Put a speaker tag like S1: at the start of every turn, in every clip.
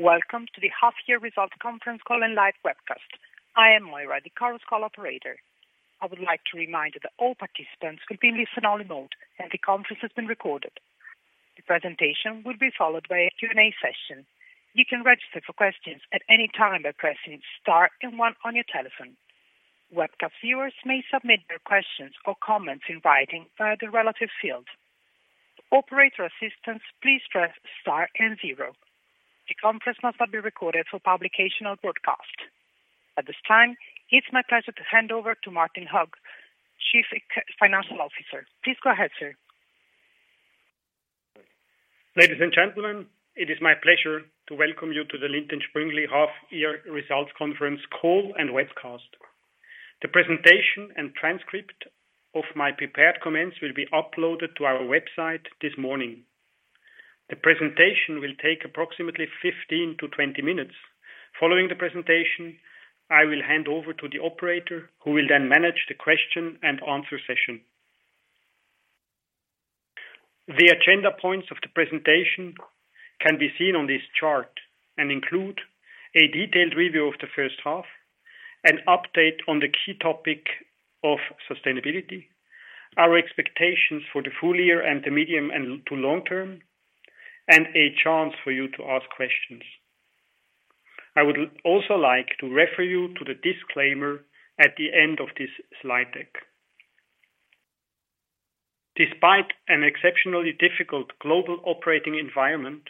S1: Welcome to the half year results conference call and live webcast. I am Moira, the current call operator. I would like to remind you that all participants will be in listen only mode, and the conference is being recorded. The presentation will be followed by a Q&A session. You can register for questions at any time by pressing star and one on your telephone. Webcast viewers may submit their questions or comments in writing via the relative field. For operator assistance, please press star and zero. The conference must not be recorded for publication or broadcast. At this time, it's my pleasure to hand over to Martin Hug, Chief Financial Officer. Please go ahead, sir.
S2: Ladies and gentlemen, it is my pleasure to welcome you to the Lindt & Sprüngli half year results conference call and webcast. The presentation and transcript of my prepared comments will be uploaded to our website this morning. The presentation will take approximately 15 minutes-20 minutes. Following the presentation, I will hand over to the operator, who will then manage the question and answer session. The agenda points of the presentation can be seen on this chart and include a detailed review of the H1, an update on the key topic of sustainability, our expectations for the full year and the medium and to long term, and a chance for you to ask questions. I would also like to refer you to the disclaimer at the end of this slide deck. Despite an exceptionally difficult global operating environment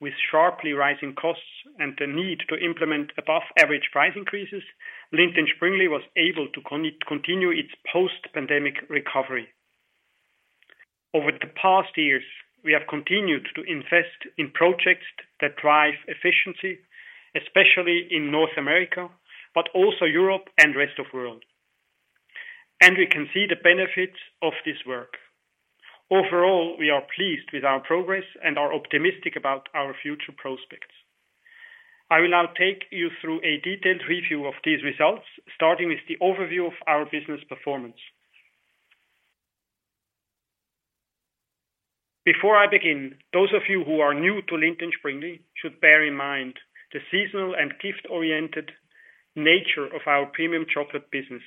S2: with sharply rising costs and the need to implement above average price increases, Lindt & Sprüngli was able to continue its post-pandemic recovery. Over the past years, we have continued to invest in projects that drive efficiency, especially in North America, but also Europe and rest of world. We can see the benefits of this work. Overall, we are pleased with our progress and are optimistic about our future prospects. I will now take you through a detailed review of these results, starting with the overview of our business performance. Before I begin, those of you who are new to Lindt & Sprüngli should bear in mind the seasonal and gift-oriented nature of our premium chocolate business,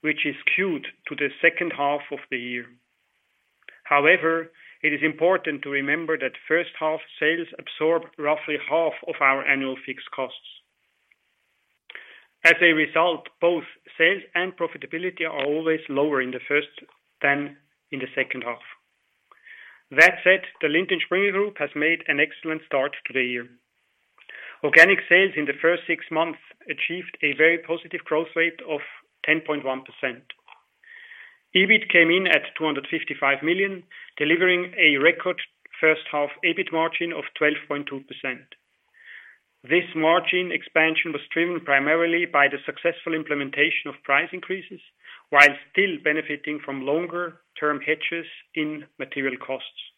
S2: which is queued to the H2 of the year. It is important to remember that H1 sales absorb roughly half of our annual fixed costs. As a result, both sales and profitability are always lower in the first than in the H2. That said, the Lindt & Sprüngli Group has made an excellent start to the year. Organic sales in the first six months achieved a very positive growth rate of 10.1%. EBIT came in at 255 million, delivering a record H1 EBIT margin of 12.2%. This margin expansion was driven primarily by the successful implementation of price increases, while still benefiting from longer-term hedges in material costs.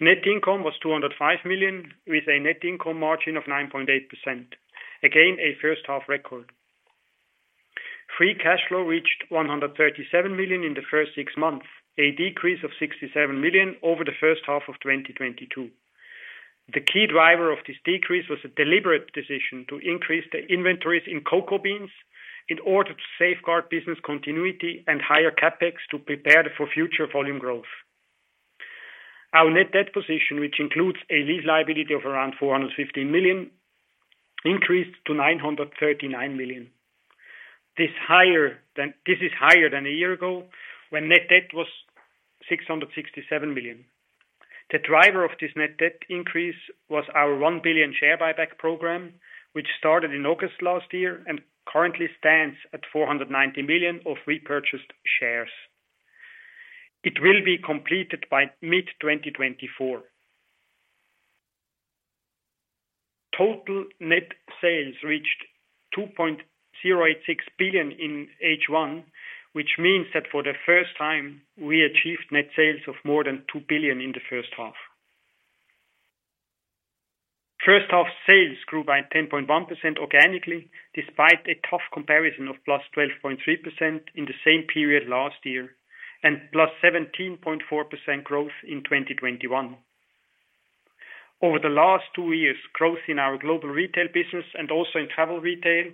S2: Net income was 205 million, with a net income margin of 9.8%. Again, a H1 half record. Free cash flow reached 137 million in the first six months, a decrease of 67 million over the H1 of 2022. The key driver of this decrease was a deliberate decision to increase the inventories in cocoa beans in order to safeguard business continuity and higher CapEx to prepare for future volume growth. Our net debt position, which includes a lease liability of around 415 million, increased to 939 million. This is higher than a year ago, when net debt was 667 million. The driver of this net debt increase was our 1 billion share buyback program, which started in August last year and currently stands at 490 million of repurchased shares. It will be completed by mid-2024. Total net sales reached 2.086 billion in H1, which means that for the first time, we achieved net sales of more than 2 billion in the H1. H1 sales grew by 10.1% organically, despite a tough comparison of +12.3% in the same period last year, and +17.4% growth in 2021. Over the last two years, growth in our global retail business and also in travel retail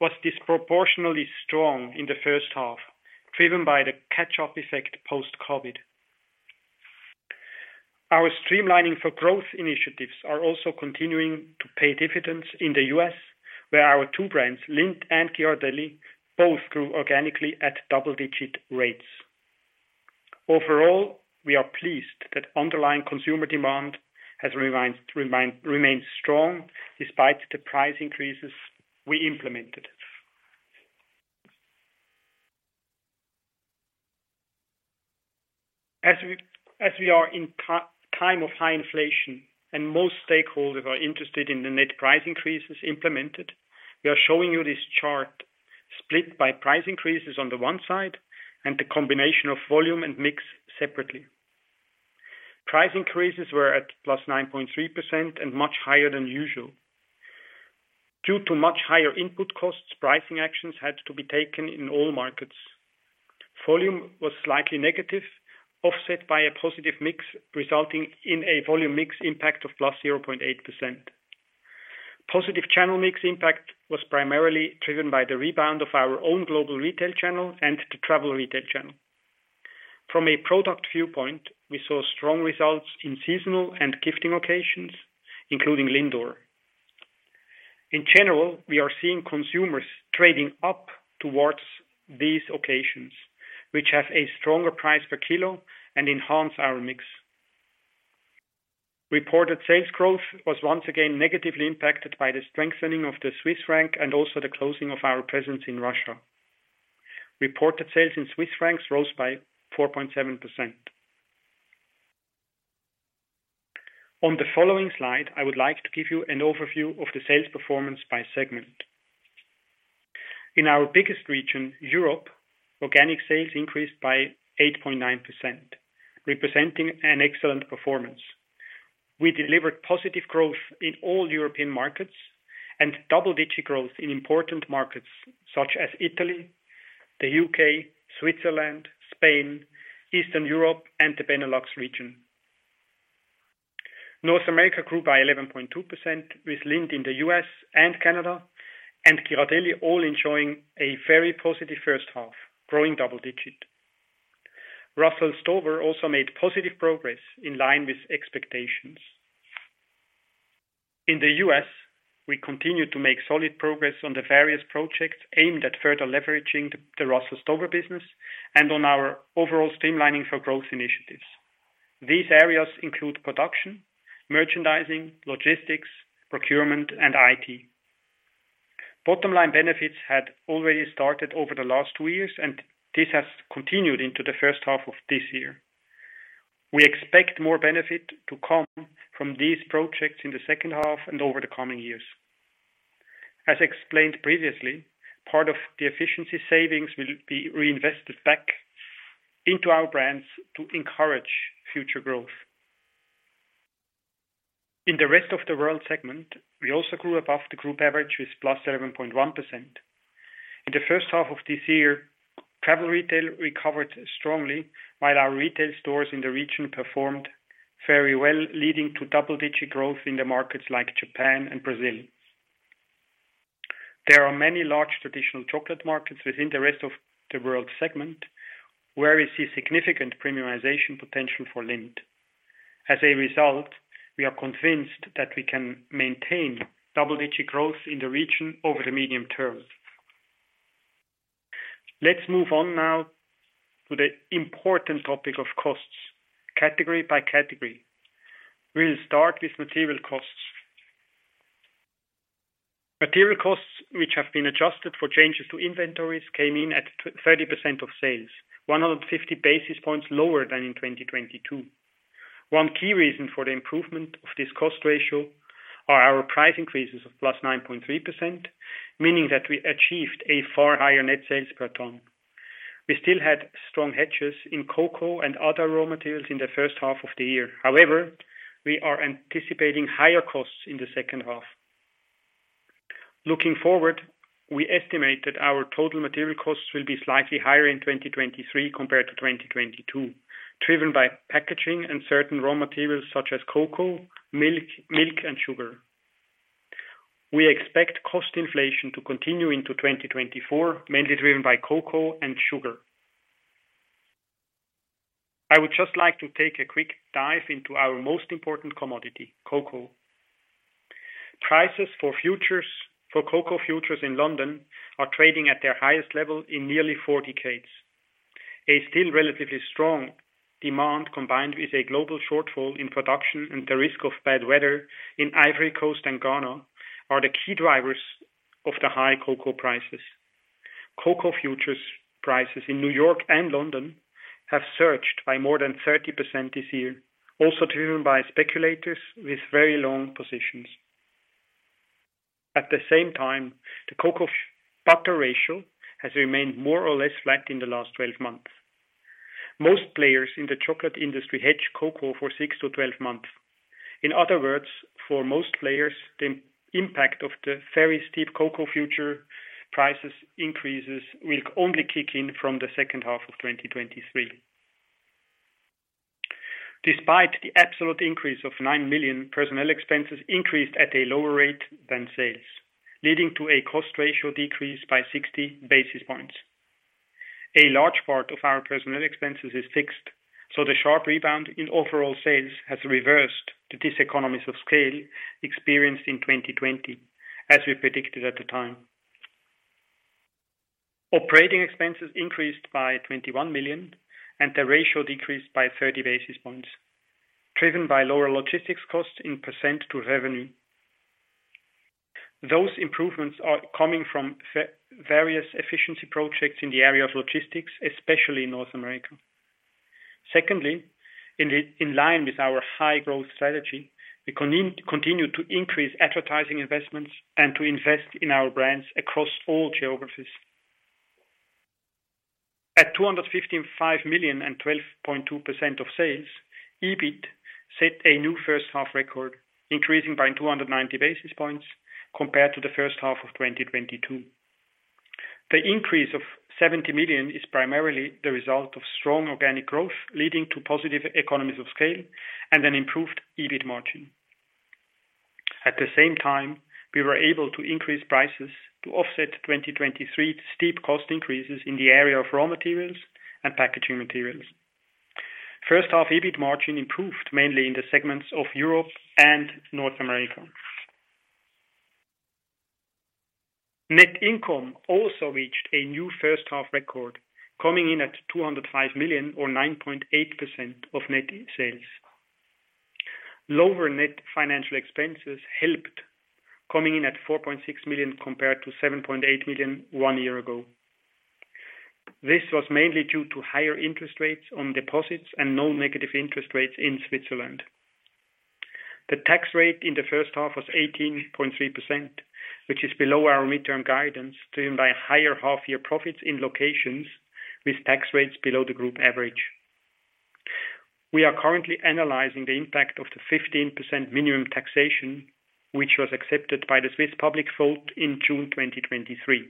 S2: was disproportionately strong in the H1, driven by the catch-up effect post-COVID. Our Streamlining for Growth initiatives are also continuing to pay dividends in the U.S., where our two brands, Lindt and Ghirardelli, both grew organically at double-digit rates. Overall, we are pleased that underlying consumer demand remains strong despite the price increases we implemented. As we are in time of high inflation and most stakeholders are interested in the net price increases implemented, we are showing you this chart split by price increases on the one side and the combination of volume and mix separately. Price increases were at +9.3% and much higher than usual. due to much higher input costs, pricing actions had to be taken in all markets. Volume was slightly negative, offset by a positive mix, resulting in a volume mix impact of +0.8%. Positive channel mix impact was primarily driven by the rebound of our own global retail channel and the travel retail channel. From a product viewpoint, we saw strong results in seasonal and gifting occasions, including LINDOR. In general, we are seeing consumers trading up towards these occasions, which have a stronger price per kilo and enhance our mix. Reported sales growth was once again negatively impacted by the strengthening of the Swiss franc and also the closing of our presence in Russia. Reported sales in Swiss francs rose by 4.7%. On the following slide, I would like to give you an overview of the sales performance by segment. In our biggest region, Europe, organic sales increased by 8.9%, representing an excellent performance. We delivered positive growth in all European markets and double-digit growth in important markets such as Italy, the UK, Switzerland, Spain, Eastern Europe and the Benelux region. North America grew by 11.2%, with Lindt in the U.S. and Canada, and Ghirardelli all enjoying a very positive H1, growing double-digit. Russell Stover also made positive progress in line with expectations. In the US, we continued to make solid progress on the various projects aimed at further leveraging the Russell Stover business and on our overall Streamlining for Growth initiatives. These areas include production, merchandising, logistics, procurement, and IT. Bottom line benefits had already started over the last two years, this has continued into the H1 of this year. We expect more benefit to come from these projects in the H2 and over the coming years. As explained previously, part of the efficiency savings will be reinvested back into our brands to encourage future growth. In the rest of the world segment, we also grew above the group average with +11.1%. In the H1 of this year, travel retail recovered strongly, while our retail stores in the region performed very well, leading to double-digit growth in the markets like Japan and Brazil. There are many large traditional chocolate markets within the rest of the world segment, where we see significant premiumization potential for Lindt. As a result, we are convinced that we can maintain double-digit growth in the region over the medium term. Let's move on now to the important topic of costs, category by category. We'll start with material costs. Material costs, which have been adjusted for changes to inventories, came in at 30% of sales, 100 basis points lower than in 2022. One key reason for the improvement of this cost ratio are our price increases of +9.3%, meaning that we achieved a far higher net sales per ton. We still had strong hedges in cocoa and other raw materials in the H1 of the year. We are anticipating higher costs in the H2. Looking forward, we estimate that our total material costs will be slightly higher in 2023 compared to 2022, driven by packaging and certain raw materials such as cocoa, milk, and sugar. We expect cost inflation to continue into 2024, mainly driven by cocoa and sugar. I would just like to take a quick dive into our most important commodity, cocoa. Prices for futures, for cocoa futures in London, are trading at their highest level in nearly four decades. A still relatively strong demand, combined with a global shortfall in production and the risk of bad weather in Ivory Coast and Ghana, are the key drivers of the high cocoa prices. Cocoa futures prices in New York and London have surged by more than 30% this year, also driven by speculators with very long positions. At the same time, the cocoa butter ratio has remained more or less flat in the last 12 months. Most players in the chocolate industry hedge cocoa for six-12 months. In other words, for most players, the impact of the very steep cocoa future prices increases will only kick in from the H2 of 2023. Despite the absolute increase of 9 million, personnel expenses increased at a lower rate than sales, leading to a cost ratio decrease by 60 basis points. A large part of our personnel expenses is fixed, so the sharp rebound in overall sales has reversed the diseconomies of scale experienced in 2020, as we predicted at the time. Operating expenses increased by 21 million. The ratio decreased by 30 basis points, driven by lower logistics costs in percent to revenue. Those improvements are coming from various efficiency projects in the area of logistics, especially in North America. Secondly, in line with our high growth strategy, we continue to increase advertising investments and to invest in our brands across all geographies. At 255 million and 12.2% of sales, EBIT set a new H1 record, increasing by 290 basis points compared to the H1 of 2022. The increase of 70 million is primarily the result of strong organic growth, leading to positive economies of scale and an improved EBIT margin. At the same time, we were able to increase prices to offset 2023 steep cost increases in the area of raw materials and packaging materials. H1, EBIT margin improved, mainly in the segments of Europe and North America. Net income also reached a new H1 record, coming in at 205 million or 9.8% of net sales. Lower net financial expenses helped, coming in at 4.6 million compared to 7.8 million one year ago. This was mainly due to higher interest rates on deposits and no negative interest rates in Switzerland. The tax rate in the H1 was 18.3%, which is below our midterm guidance, driven by higher half-year profits in locations with tax rates below the group average. We are currently analyzing the impact of the 15% minimum taxation, which was accepted by the Swiss public vote in June 2023.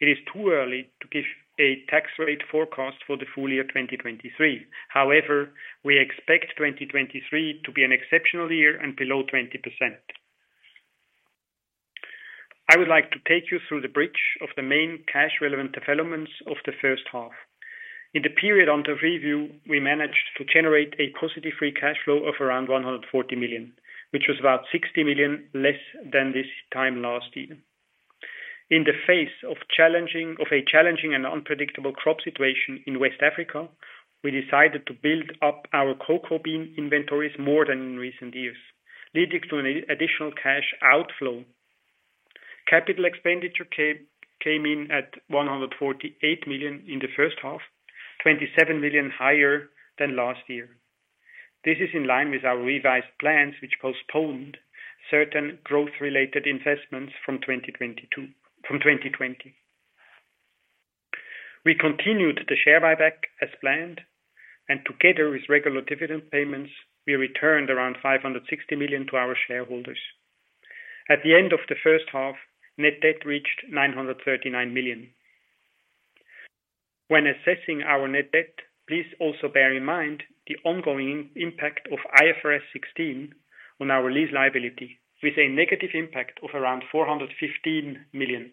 S2: It is too early to give a tax rate forecast for the full year 2023. We expect 2023 to be an exceptional year and below 20%. I would like to take you through the bridge of the main cash-relevant developments of theH1. In the period under review, we managed to generate a positive free cash flow of around 140 million, which was about 60 million less than this time last year. In the face of a challenging and unpredictable crop situation in West Africa, we decided to build up our cocoa bean inventories more than in recent years, leading to an additional cash outflow. Capital expenditure came in at 148 million in the H1, 27 million higher than last year. This is in line with our revised plans, which postponed certain growth-related investments from 2022, from 2020. We continued the share buyback as planned. Together with regular dividend payments, we returned around 560 million to our shareholders. At the end of the H1, net debt reached 939 million. When assessing our net debt, please also bear in mind the ongoing impact of IFRS 16 on our lease liability, with a negative impact of around 415 million.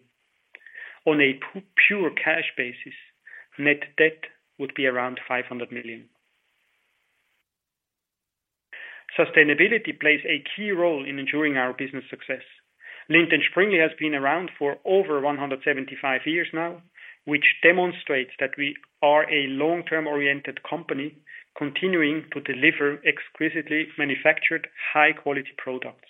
S2: On a pure cash basis, net debt would be around 500 million. Sustainability plays a key role in ensuring our business success. Lindt & Sprüngli has been around for over 175 years now, which demonstrates that we are a long-term-oriented company, continuing to deliver exquisitely manufactured, high-quality products.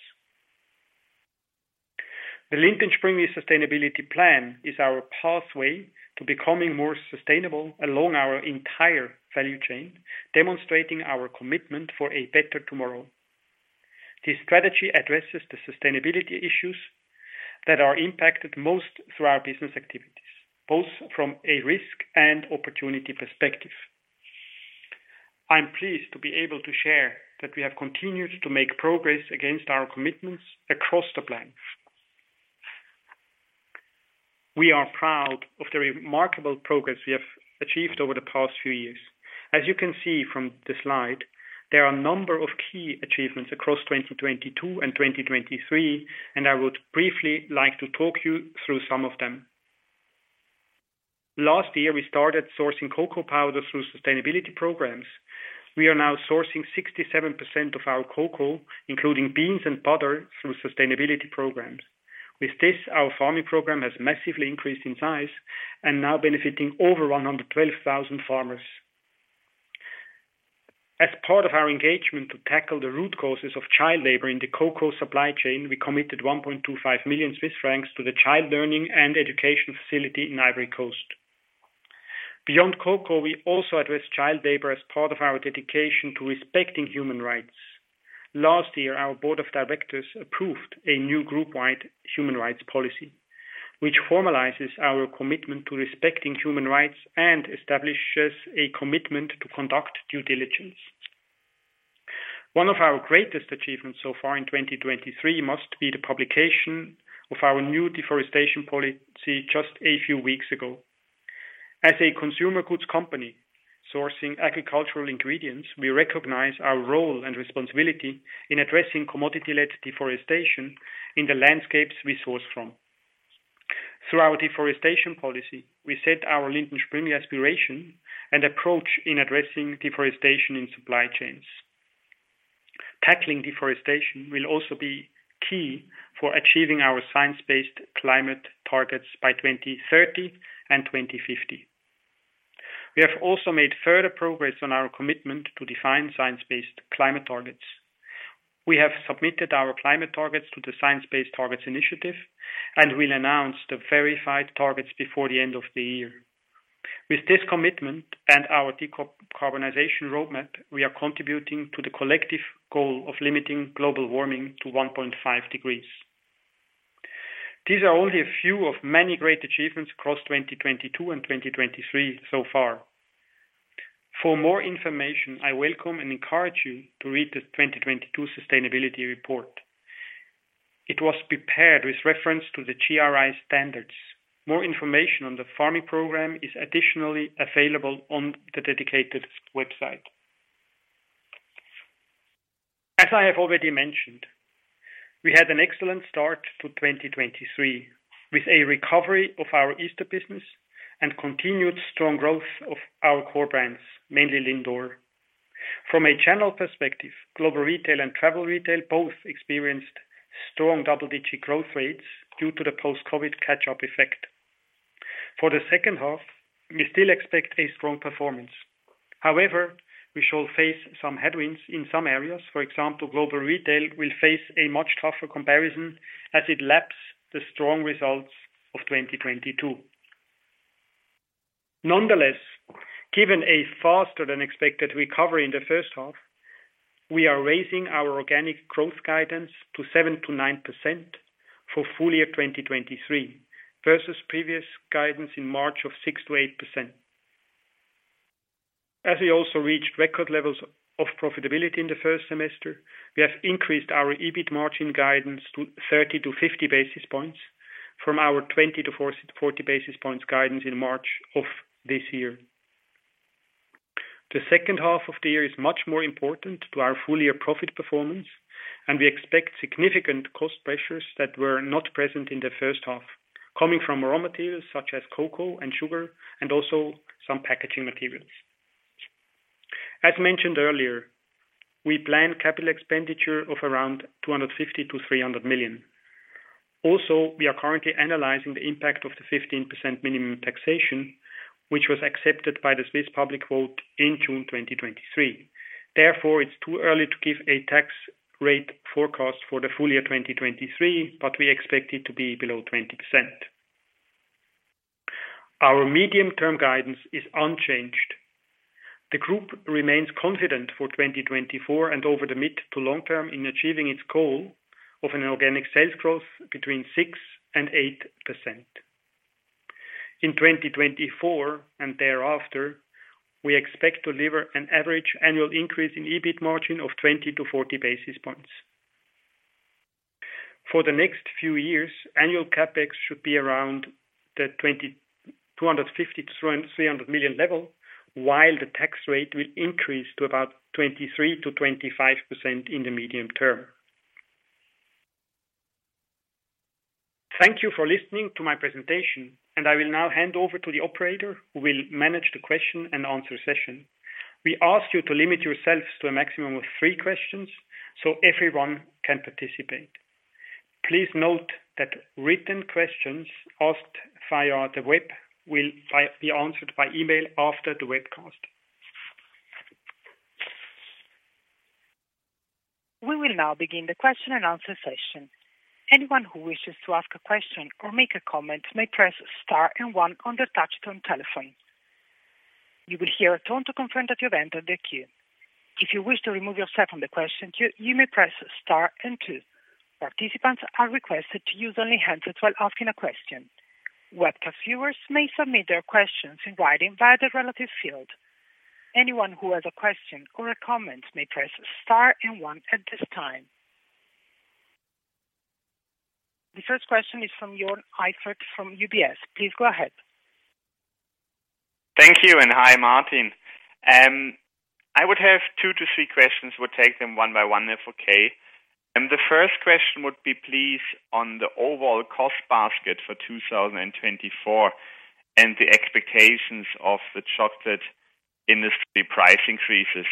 S2: The Lindt & Sprüngli sustainability plan is our pathway to becoming more sustainable along our entire value chain, demonstrating our commitment for a better tomorrow. This strategy addresses the sustainability issues that are impacted most through our business activities, both from a risk and opportunity perspective. I'm pleased to be able to share that we have continued to make progress against our commitments across the plan. We are proud of the remarkable progress we have achieved over the past few years. As you can see from the slide, there are a number of key achievements across 2022 and 2023, and I would briefly like to talk you through some of them. Last year, we started sourcing cocoa powder through sustainability programs. We are now sourcing 67% of our cocoa, including beans and butter, through sustainability programs. With this, our farming program has massively increased in size and now benefiting over 112,000 farmers. As part of our engagement to tackle the root causes of child labor in the cocoa supply chain, we committed 1.25 million Swiss francs to the Child Learning and Education Facility in Ivory Coast. Beyond cocoa, we also address child labor as part of our dedication to respecting human rights. Last year, our board of directors approved a new group-wide Human Rights Policy, which formalizes our commitment to respecting human rights and establishes a commitment to conduct due diligence. One of our greatest achievements so far in 2023 must be the publication of our new Deforestation Policy just a few weeks ago. As a consumer goods company, sourcing agricultural ingredients, we recognize our role and responsibility in addressing commodity-led deforestation in the landscapes we source from. Through our Deforestation Policy, we set our Lindt & Sprüngli aspiration and approach in addressing deforestation in supply chains. Tackling deforestation will also be key for achieving our science-based climate targets by 2030 and 2050. We have also made further progress on our commitment to define science-based climate targets. We have submitted our climate targets to the Science Based Targets initiative, and we'll announce the verified targets before the end of the year. With this commitment and our decarbonization roadmap, we are contributing to the collective goal of limiting global warming to 1.5 degrees. These are only a few of many great achievements across 2022 and 2023 so far. For more information, I welcome and encourage you to read the 2022 sustainability report. It was prepared with reference to the GRI Standards. More information on the farming program is additionally available on the dedicated website. As I have already mentioned, we had an excellent start to 2023, with a recovery of our Easter business and continued strong growth of our core brands, mainly LINDOR. From a general perspective, global retail and travel retail both experienced strong double-digit growth rates due to the post-COVID catch-up effect. For the H2, we still expect a strong performance. We shall face some headwinds in some areas. For example, global retail will face a much tougher comparison as it laps the strong results of 2022. Given a faster than expected recovery in the H1, we are raising our organic growth guidance to 7%-9% for full year 2023, versus previous guidance in March of 6%-8%. As we also reached record levels of profitability in the first semester, we have increased our EBIT margin guidance to 30-50 basis points from our 20-40 basis points guidance in March of this year. The H2 of the year is much more important to our full year profit performance, and we expect significant cost pressures that were not present in the H1, coming from raw materials such as cocoa and sugar and also some packaging materials. As mentioned earlier, we plan capital expenditure of around 250 million-300 million. Also, we are currently analyzing the impact of the 15% minimum taxation, which was accepted by the Swiss public vote in June 2023. Therefore, it's too early to give a tax rate forecast for the full year 2023, but we expect it to be below 20%. Our medium-term guidance is unchanged. The group remains confident for 2024 and over the mid to long term in achieving its goal of an organic sales growth between 6% and 8%. In 2024 and thereafter, we expect to deliver an average annual increase in EBIT margin of 20 basis point-40 basis points. For the next few years, annual CapEx should be around the 250 million-300 million level, while the tax rate will increase to about 23%-25% in the medium term. Thank you for listening to my presentation. I will now hand over to the operator, who will manage the question and answer session. We ask you to limit yourselves to a maximum of three questions so everyone can participate. Please note that written questions asked via the web will be answered by email after the webcast.
S1: We will now begin the question and answer session. Anyone who wishes to ask a question or make a comment may press star and one on their touchtone telephone. You will hear a tone to confirm that you have entered the queue. If you wish to remove yourself from the question queue, you may press star and two. Participants are requested to use only handsets while asking a question. Webcast viewers may submit their questions in writing via the relative field. Anyone who has a question or a comment may press star and 1 at this time. The first question is from Joern Iffert from UBS. Please go ahead.
S3: Thank you. Hi, Martin. I would have two to three questions. We'll take them one by one, if okay. The first question would be, please, on the overall cost basket for 2024 and the expectations of the chocolate industry price increases.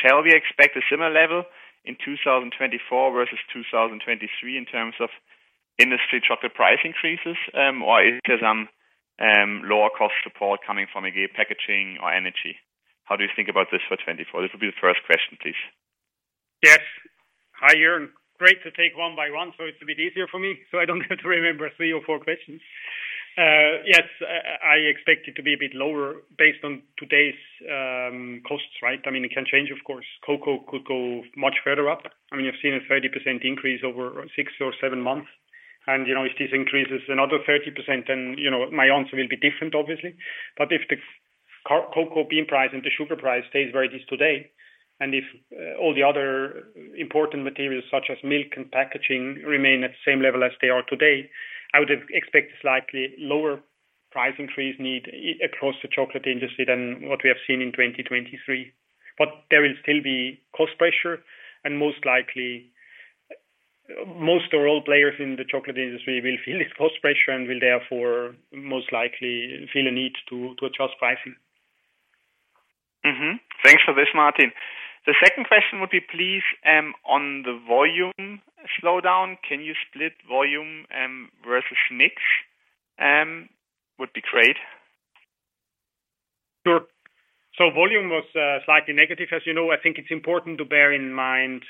S3: Shall we expect a similar level in 2024 versus 2023 in terms of industry chocolate price increases? Or is it some lower cost support coming from again, packaging or energy? How do you think about this for 2024? This will be the first question, please.
S2: Hi, Joern. Great to take one by one, so it's a bit easier for me, so I don't have to remember three or four questions. Yes, I expect it to be a bit lower based on today's costs, right? I mean, it can change, of course. Cocoa could go much further up. I mean, you've seen a 30% increase over six or seven months, and, you know, if this increases another 30%, then, you know, my answer will be different, obviously. If the cocoa bean price and the sugar price stays where it is today, and if all the other important materials, such as milk and packaging, remain at the same level as they are today, I would expect slightly lower price increase need across the chocolate industry than what we have seen in 2023. There will still be cost pressure, and most likely, most of all players in the chocolate industry will feel this cost pressure and will therefore most likely feel a need to adjust pricing.
S3: Thanks for this, Martin. The 2nd question would be, please, on the volume slowdown, can you split volume versus mix, would be great?
S2: Sure. Volume was slightly negative. As you know, I think it's important to bear in mind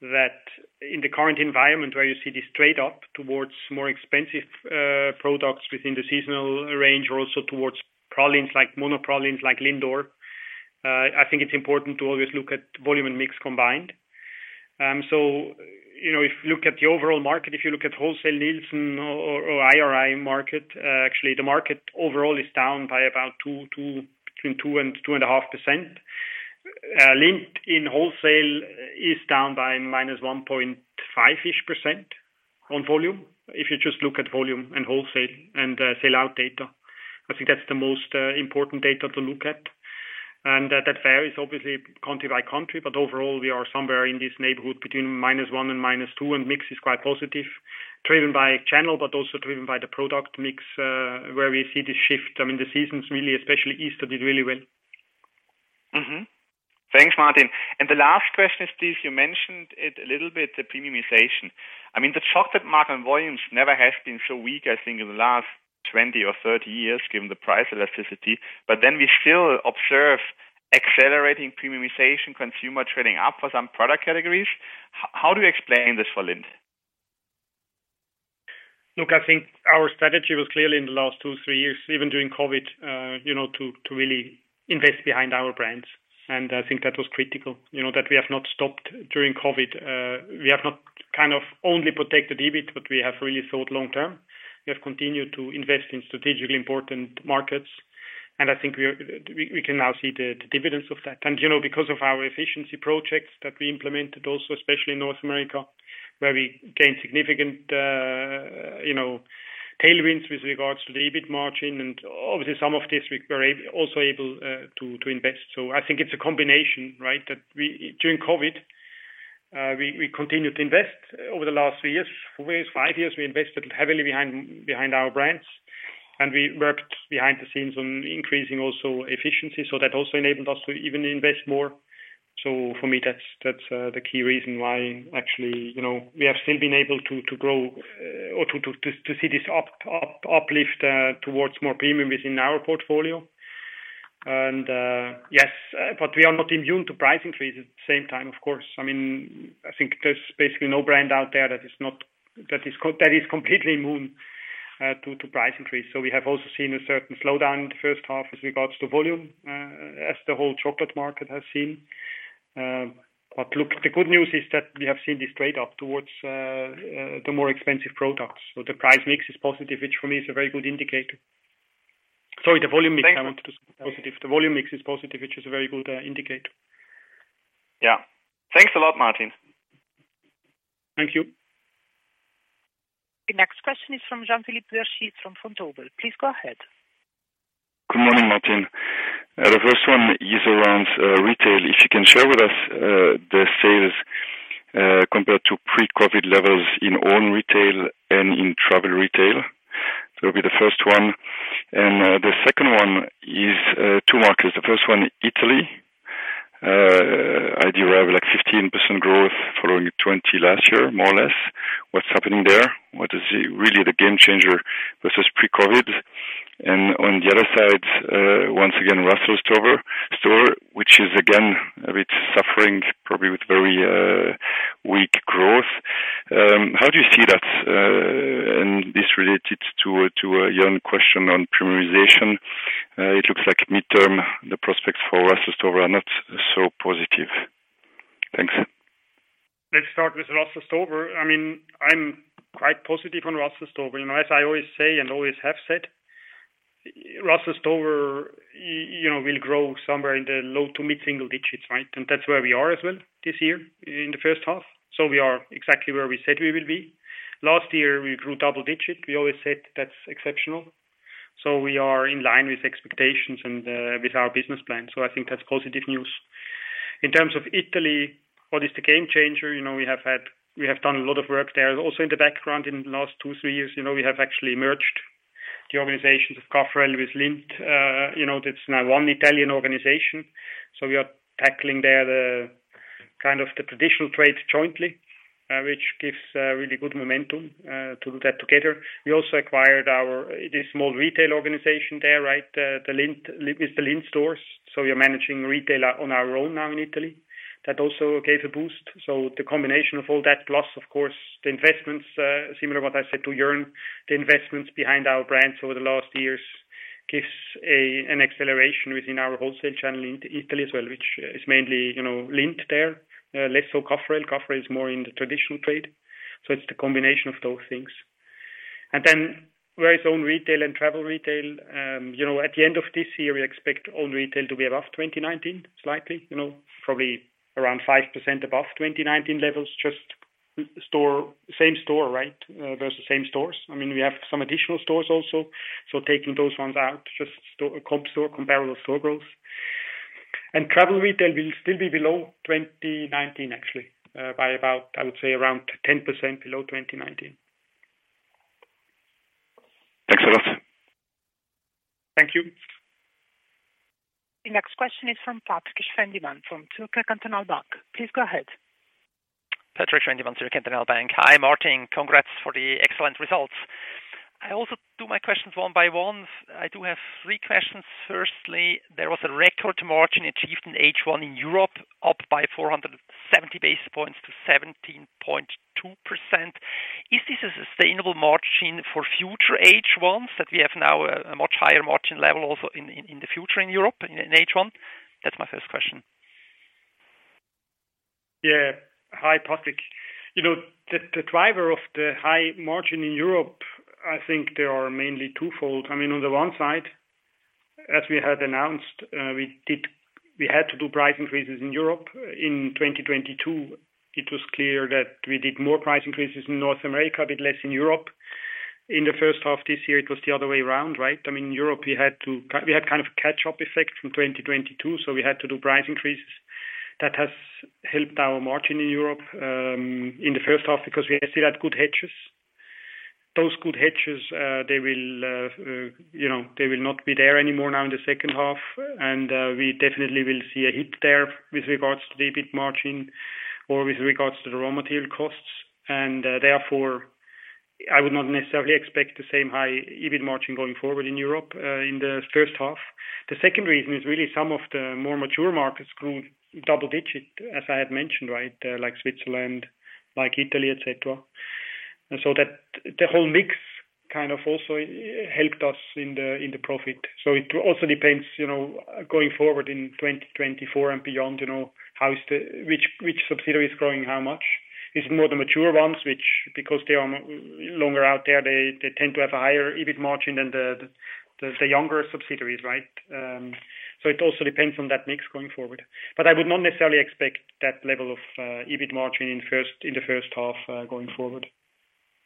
S2: that in the current environment where you see this trade up towards more expensive products within the seasonal range, or also towards pralines, like mono pralines, like LINDOR. I think it's important to always look at volume and mix combined. You know, if you look at the overall market, if you look at wholesale Nielsen or IRI market, actually, the market overall is down by about between 2% and 2.5%. Lindt in wholesale is down by -1.5%-ish on volume. If you just look at volume and wholesale and sell out data, I think that's the most important data to look at. That varies obviously country by country, but overall, we are somewhere in this neighborhood between -1% and -2%, and mix is quite positive, driven by channel, but also driven by the product mix, where we see this shift. I mean, the seasons really, especially Easter, did really well.
S3: Thanks, Martin. The last question is this: you mentioned it a little bit, the premiumization. I mean, the chocolate market and volumes never has been so weak, I think, in the last 20 years or 30 years, given the price elasticity, we still observe accelerating premiumization, consumer trading up for some product categories. How do you explain this for Lindt?
S2: Look, I think our strategy was clearly in the last two years, three years, even during COVID, you know, to really invest behind our brands. I think that was critical, you know, that we have not stopped during COVID. We have not kind of only protected EBIT, but we have really thought long term. We have continued to invest in strategically important markets, and I think we can now see the dividends of that. You know, because of our efficiency projects that we implemented also, especially in North America, where we gained significant, you know, tailwinds with regards to the EBIT margin, and obviously some of this we were also able to invest. I think it's a combination, right? That we... During COVID, we continued to invest over the last three years, five years, we invested heavily behind our brands, and we worked behind the scenes on increasing also efficiency. That also enabled us to even invest more. For me, that's the key reason why actually, you know, we have still been able to grow or to see this uplift towards more premium within our portfolio. Yes, but we are not immune to price increases at the same time, of course. I mean, I think there's basically no brand out there that is completely immune to price increases. We have also seen a certain slowdown in the H1 as regards to volume, as the whole chocolate market has seen. look, the good news is that we have seen this trade up towards the more expensive products. The price mix is positive, which for me is a very good indicator. Sorry, the volume mix. The volume mix is positive, which is a very good indicator.
S3: Yeah. Thanks a lot, Martin.
S2: Thank you.
S1: The next question is from Jean-Philippe Bertschy, from Vontobel. Please go ahead.
S4: Good morning, Martin. The first one is around retail. If you can share with us the sales compared to pre-COVID levels in own retail and in travel retail. It'll be the first one. The second one is two markets. The first one, Italy. I derive like 15% growth following 20 last year, more or less. What's happening there? What is really the game changer versus pre-COVID? On the other side, once again, Russell Stover store, which is again, a bit suffering, probably with very weak growth. How do you see that, and this related to a Jörn question on premiumization? It looks like midterm, the prospects for Russell Stover are not so positive. Thanks.
S2: Let's start with Russell Stover. I mean, I'm quite positive on Russell Stover. You know, as I always say and always have said, Russell Stover, you know, will grow somewhere in the low to mid-single digits, right? That's where we are as well this year in the H1. We are exactly where we said we will be. Last year, we grew double-digit. We always said that's exceptional. We are in line with expectations and with our business plan. I think that's positive news. In terms of Italy, what is the game changer? You know, we have done a lot of work there, also in the background in the last two, three years, you know, we have actually merged the organizations of Caffarel with Lindt. you know, that's now one Italian organization, we are tackling there the, kind of the traditional trade jointly, which gives really good momentum to do that together. We also acquired the small retail organization there, right? with the Lindt stores. We are managing retail on our own now in Italy. That also gave a boost. The combination of all that, plus, of course, the investments, similar to what I said to Joern, the investments behind our brands over the last years gives an acceleration within our wholesale channel in Italy as well, which is mainly, you know, Lindt there, less so Caffarel. Caffarel is more in the traditional trade, so it's the combination of those things. Where is own retail and travel retail? you know, at the end of this year, we expect own retail to be above 2019, slightly, you know, probably around 5% above 2019 levels. Just store, same store, right? Those are the same stores. I mean, we have some additional stores also. Taking those ones out, just store comp store, comparable store growth. Travel retail will still be below 2019, actually, by about, I would say, around 10% below 2019.
S4: Thanks a lot.
S2: Thank you.
S1: The next question is from Patrik Schwendimann, from Zürcher Kantonalbank. Please go ahead.
S5: Patrik Schwendimann, Zürcher Kantonalbank. Hi, Martin. Congrats for the excellent results. I also do my questions one by one. I do have three questions. Firstly, there was a record margin achieved in H1 in Europe.... by 470 basis points to 17.2%. Is this a sustainable margin for future H1s, that we have now a much higher margin level also in the future in Europe, in H1? That's my first question.
S2: Yeah. Hi, Patrik. You know, the driver of the high margin in Europe, I think there are mainly twofold. I mean, on the one side, as we had announced, we had to do price increases in Europe. In 2022, it was clear that we did more price increases in North America, a bit less in Europe. In the H1 this year, it was the other way around, right? I mean, Europe, we had kind of a catch-up effect from 2022, so we had to do price increases. That has helped our margin in Europe, in the H1, because we still had good hedges. Those good hedges, they will, you know, they will not be there anymore now in the H2, we definitely will see a hit there with regards to the EBIT margin or with regards to the raw material costs. Therefore, I would not necessarily expect the same high EBIT margin going forward in Europe, in the H1. The second reason is really some of the more mature markets grew double digit, as I had mentioned, right? Like Switzerland, like Italy, etc. The whole mix kind of also helped us in the, in the profit. It also depends, you know, going forward in 2024 and beyond, you know, how is the which subsidiary is growing how much? It's more the mature ones, which, because they are longer out there, they tend to have a higher EBIT margin than the younger subsidiaries, right? It also depends on that mix going forward. I would not necessarily expect that level of EBIT margin in the H1 going forward.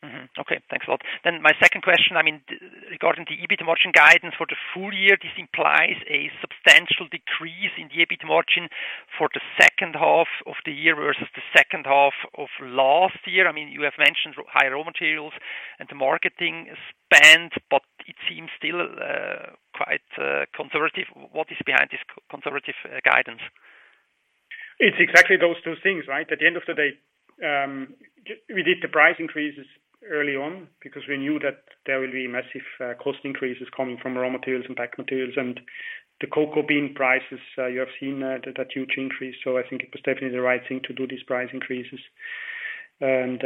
S5: Mm-hmm. Okay, thanks a lot. My 2nd question, I mean, regarding the EBIT margin guidance for the full year, this implies a substantial decrease in the EBIT margin for the H2 of the year versus the H2 of last year. I mean, you have mentioned higher raw materials and the marketing spend, it seems still quite conservative. What is behind this conservative guidance?
S2: It's exactly those two things, right? At the end of the day, we did the price increases early on because we knew that there will be massive cost increases coming from raw materials and pack materials and the cocoa bean prices, you have seen the huge increase. I think it was definitely the right thing to do, these price increases. Can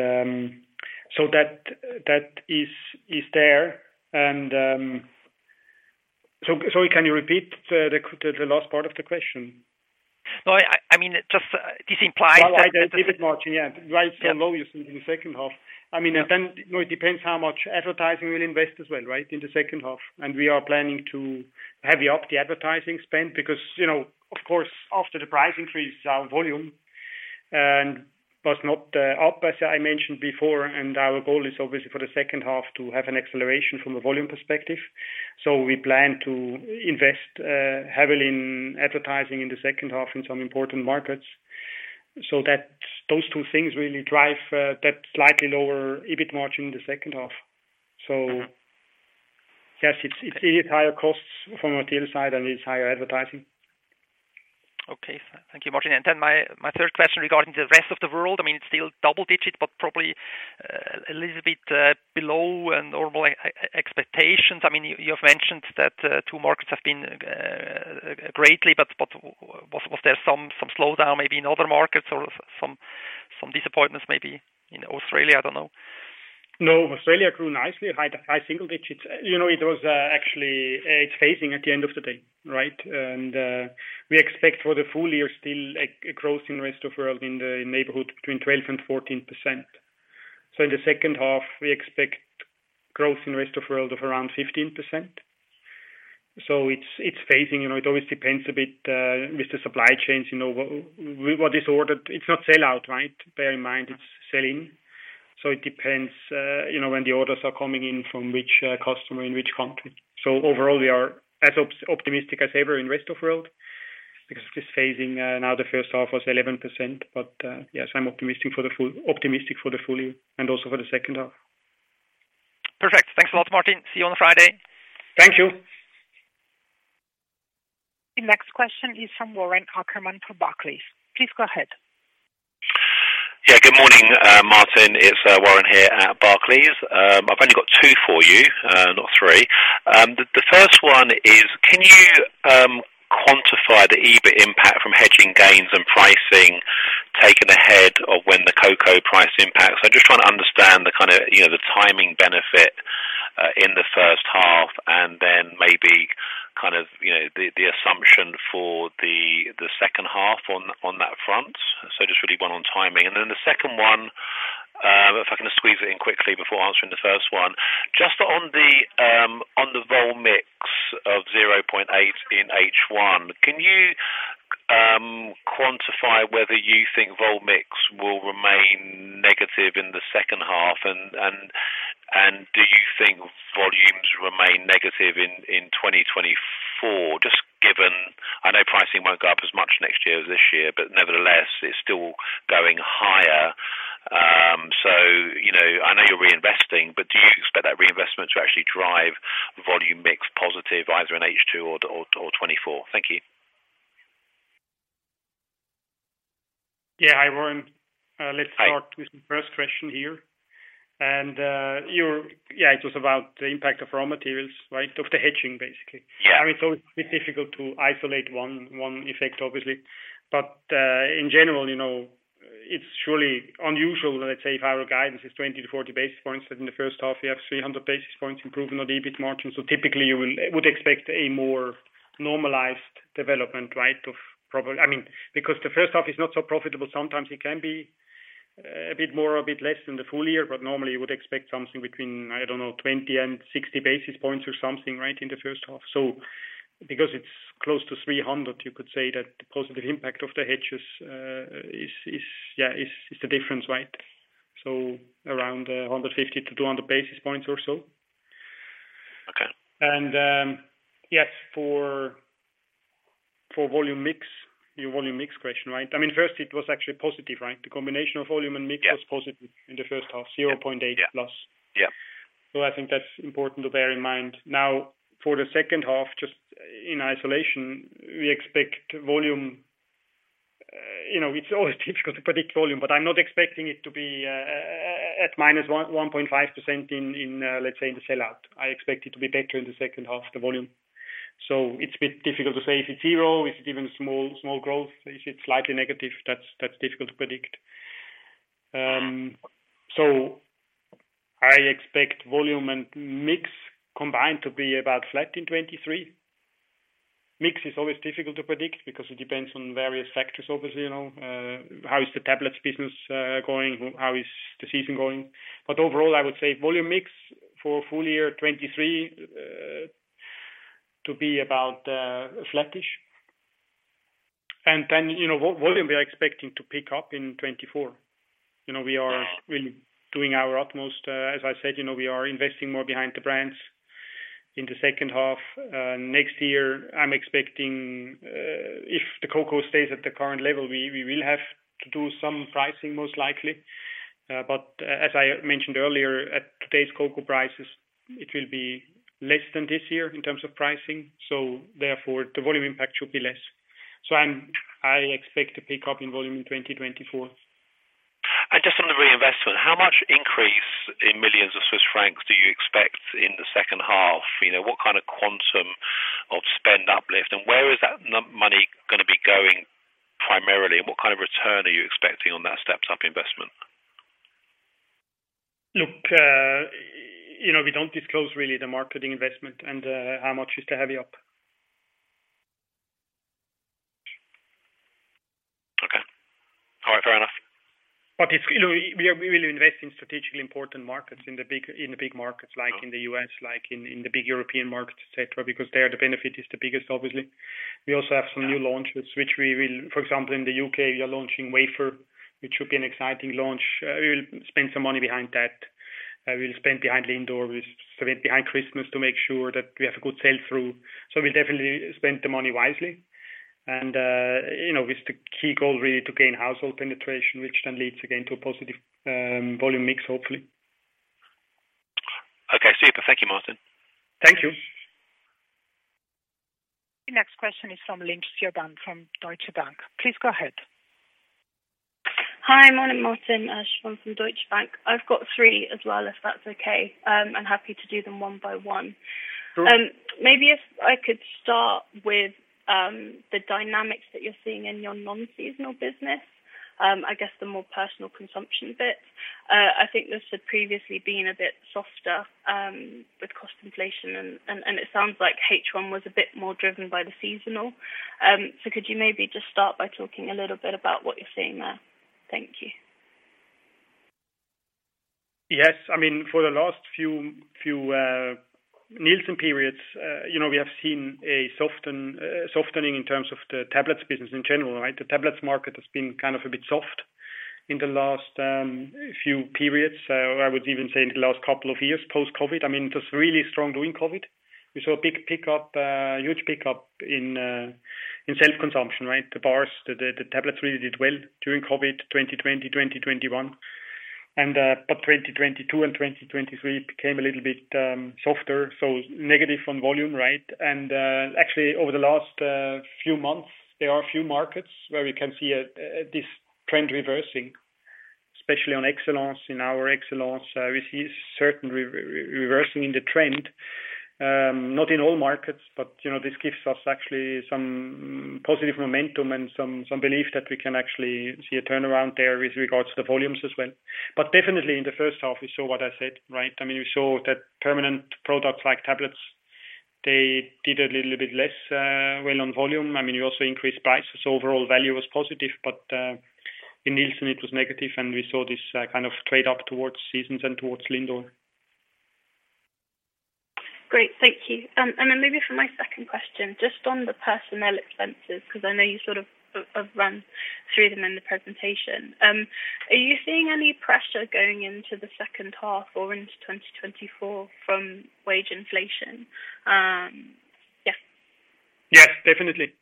S2: you repeat the last part of the question?
S5: No, I mean, just, this implies.
S2: The EBIT margin, yeah, right, so low using the H2. I mean, you know, it depends how much advertising we'll invest as well, right, in the H2. We are planning to heavy up the advertising spend, because, you know, of course, after the price increase, our volume was not up, as I mentioned before, and our goal is obviously for the H2 to have an acceleration from a volume perspective. We plan to invest heavily in advertising in the H2 in some important markets. That's those two things really drive that slightly lower EBIT margin in the H2. Yes, it's EBIT higher costs from material side, and it's higher advertising.
S5: Okay, thank you, Martin. My 3rd question regarding the rest of the world, I mean, it's still double digits, but probably a little bit below normal expectations. I mean, you have mentioned that two markets have been greatly, but was there some slowdown maybe in other markets or some disappointments maybe in Australia? I don't know.
S2: No, Australia grew nicely, high single digits. You know, it was actually, it's phasing at the end of the day, right? We expect for the full year still, a growth in rest of world in the neighborhood between 12% and 14%. In the H2, we expect growth in rest of world of around 15%. It's phasing. You know, it always depends a bit with the supply chains, you know, what is ordered. It's not sell out, right? Bear in mind, it's sell in. It depends, you know, when the orders are coming in from which customer in which country. Overall, we are as optimistic as ever in rest of world, because it is phasing now. The H1 was 11%, but yes, I'm optimistic for the full year and also for the H2.
S5: Perfect. Thanks a lot, Martin. See you on Friday.
S2: Thank you.
S1: The next question is from Warren Ackerman from Barclays. Please go ahead.
S6: Yeah, good morning, Martin. It's Warren here at Barclays. I've only got two for you, not three. The 1st one is, can you quantify the EBIT impact from hedging gains and pricing taken ahead of when the cocoa price impacts? I'm just trying to understand the kind of, you know, the timing benefit in the H1, and then maybe kind of, you know, the assumption for the H2 on that front. So just really one on timing. The second one, if I can just squeeze it in quickly before answering the first one. Just on the vol mix of 0.8 in H1, can you quantify whether you think vol mix will remain negative in the H2? Do you think volumes remain negative in 2024? I know pricing won't go up as much next year as this year, but nevertheless, it's still going higher. You know, I know you're reinvesting, but do you expect that reinvestment to actually drive volume mix positive either in H2 or 2024? Thank you.
S2: Yeah. Hi, Warren.
S6: Hi.
S2: Let's start with the 1st here. Yeah, it was about the impact of raw materials, right? Of the hedging, basically.
S6: Yeah.
S2: It's difficult to isolate one effect, obviously. In general, it's surely unusual, let's say, if our guidance is 20 basis point-40 basis points, that in the H1, we have 300 basis points improvement on the EBIT margin. Typically you would expect a more normalized development, right, of probably... Because the H1 is not so profitable, sometimes it can be a bit more or a bit less than the full year, but normally you would expect something between 20 basis point and 60 basis points or something, right, in the H1. Because it's close to 300, you could say that the positive impact of the hedges is the difference, right? Around 150 basis point-200 basis points or so.
S6: Okay.
S2: yes, for volume mix, your volume mix question, right? I mean, first it was actually positive, right? The combination of volume and mix.
S6: Yeah...
S2: was positive in the H1, +0.8%.
S6: Yeah.
S2: I think that's important to bear in mind. For the H2, just in isolation, we expect volume, you know, it's always difficult to predict volume, but I'm not expecting it to be at -1.5% in, let's say, in the sell out. I expect it to be better in the H2, the volume. It's a bit difficult to say if it's zero, is it even small growth? Is it slightly negative? That's difficult to predict. I expect volume and mix combined to be about flat in 2023. Mix is always difficult to predict because it depends on various factors, obviously, you know. How is the tablets business going? How is the season going? Overall, I would say volume mix for full year 2023 to be about flattish. You know, volume, we are expecting to pick up in 2024. You know, we are really doing our utmost. As I said, you know, we are investing more behind the brands in the H2. Next year, I'm expecting, if the cocoa stays at the current level, we will have to do some pricing, most likely. As I mentioned earlier, at today's cocoa prices, it will be less than this year in terms of pricing, therefore, the volume impact should be less. I expect to pick up in volume in 2024.
S6: Just on the reinvestment, how much increase in millions of CHF do you expect in the H2? You know, what kind of quantum of spend uplift, and where is that money gonna be going primarily, and what kind of return are you expecting on that stepped-up investment?
S2: Look, you know, we don't disclose really the marketing investment and how much is to heavy up.
S6: Okay. All right, fair enough.
S2: It's, you know, we will invest in strategically important markets, in the big, in the big markets, like in the U.S., like in the big European markets, et cetera, because there, the benefit is the biggest, obviously. We also have some new launches, which we will... For example, in the U.K., we are launching wafer, which should be an exciting launch. We'll spend some money behind that. We'll spend behind LINDOR, we'll spend behind Christmas to make sure that we have a good sell-through. We'll definitely spend the money wisely, and, you know, with the key goal really to gain household penetration, which then leads again to a positive volume mix, hopefully.
S6: Okay, super. Thank you, Martin.
S2: Thank you.
S1: The next question is from Tom Sykes from Deutsche Bank. Please go ahead.
S7: Hi, morning, Martin, Siobhan from Deutsche Bank. I've got three as well, if that's okay. I'm happy to do them one by one.
S2: Sure.
S7: Maybe if I could start with the dynamics that you're seeing in your non-seasonal business, I guess the more personal consumption bits. I think this had previously been a bit softer, with cost inflation, and it sounds like H1 was a bit more driven by the seasonal. Could you maybe just start by talking a little bit about what you're seeing there? Thank you.
S2: Yes. I mean, for the last few Nielsen periods, you know, we have seen a softening in terms of the tablets business in general, right? The tablets market has been kind of a bit soft in the last few periods. I would even say in the last couple of years, post-COVID. I mean, it was really strong during COVID. We saw a big pickup, huge pickup in self-consumption, right? The bars, the tablets really did well during COVID, 2020, 2021. But 2022 and 2023 became a little bit softer, so negative on volume, right? Actually, over the last few months, there are a few markets where we can see a this trend reversing, especially on EXCELLENCE, in our EXCELLENCE. We see certain reversing in the trend, not in all markets, but, you know, this gives us actually some positive momentum and some belief that we can actually see a turnaround there with regards to the volumes as well. Definitely in the H1, we saw what I said, right? I mean, we saw that permanent products like tablets, they did a little bit less, well, on volume. I mean, you also increased prices. Overall value was positive, but in Nielsen, it was negative, and we saw this kind of trade up towards seasons and towards LINDOR.
S7: Great. Thank you. Maybe for my 2nd question, just on the personnel expenses, because I know you sort of, have run through them in the presentation. Are you seeing any pressure going into the H2 or into 2024 from wage inflation?
S2: Yes, definitely.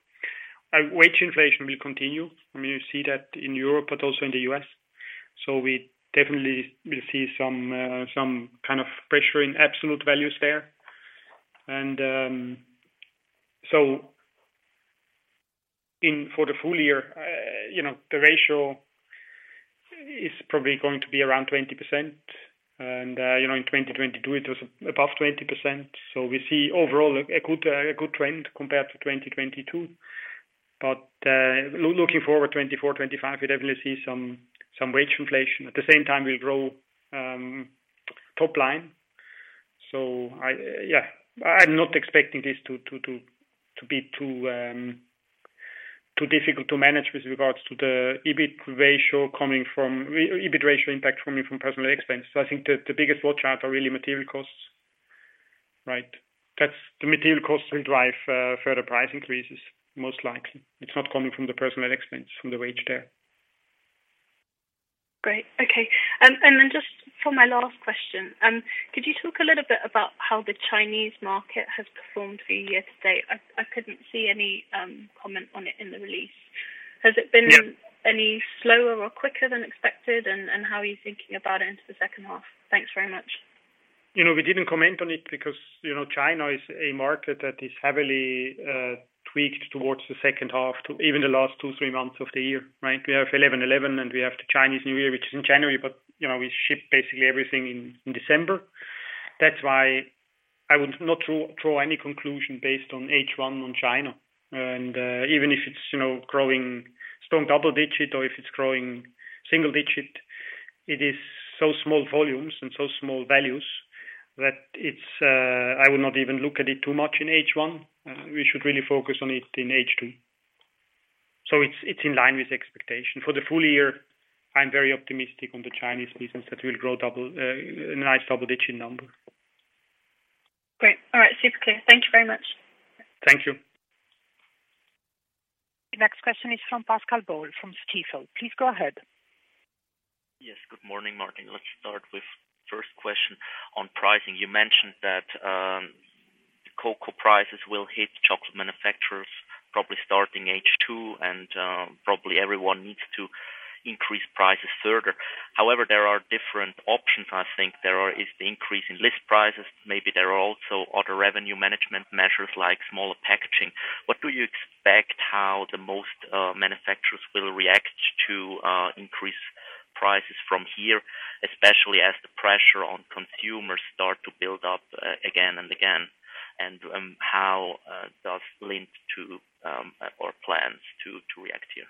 S2: Wage inflation will continue. I mean, you see that in Europe, but also in the U.S. We definitely will see some kind of pressure in absolute values there. For the full year, you know, the ratio is probably going to be around 20%, and, you know, in 2022, it was above 20%. We see overall a good trend compared to 2022. Looking forward, 2024, 2025, we definitely see some wage inflation. At the same time, we'll grow top line. I, yeah, I'm not expecting this to be too difficult to manage with regards to the EBIT ratio coming from EBIT ratio impact coming from personal expense. I think the biggest watch out are really material costs, right? That's the material costs will drive, further price increases, most likely. It's not coming from the personal expense, from the wage there.
S7: Great. Okay. Then just for my last question, could you talk a little bit about how the Chinese market has performed for you year to date? I couldn't see any comment on it in the release.
S2: Yeah.
S7: Has it been any slower or quicker than expected? How are you thinking about it into the H2? Thanks very much.
S2: You know, we didn't comment on it because, you know, China is a market that is heavily tweaked towards the H2 to even the last two months, three months of the year, right? We have 11.11, we have the Chinese New Year, which is in January, you know, we ship basically everything in December. That's why I would not draw any conclusion based on H1 on China. Even if it's, you know, growing strong double-digit, or if it's growing single-digit, it is so small volumes and so small values that it's, I would not even look at it too much in H1. We should really focus on it in H2. It's in line with expectation. For the full year, I'm very optimistic on the Chinese business that will grow a nice double-digit number.
S7: Great. All right. Super clear. Thank you very much.
S2: Thank you.
S1: The next question is from Pascal Boll, from Stifel. Please go ahead.
S8: Yes. Good morning, Martin. Let's start with first question on pricing. You mentioned that cocoa prices will hit chocolate manufacturers, probably starting H2, and probably everyone needs to increase prices further. However, there are different options, I think. There is the increase in list prices. Maybe there are also other revenue management measures, like smaller packaging. What do you expect, how the most manufacturers will react to increase prices from here, especially as the pressure on consumers start to build up again and again, and how does Lindt or plans to react here?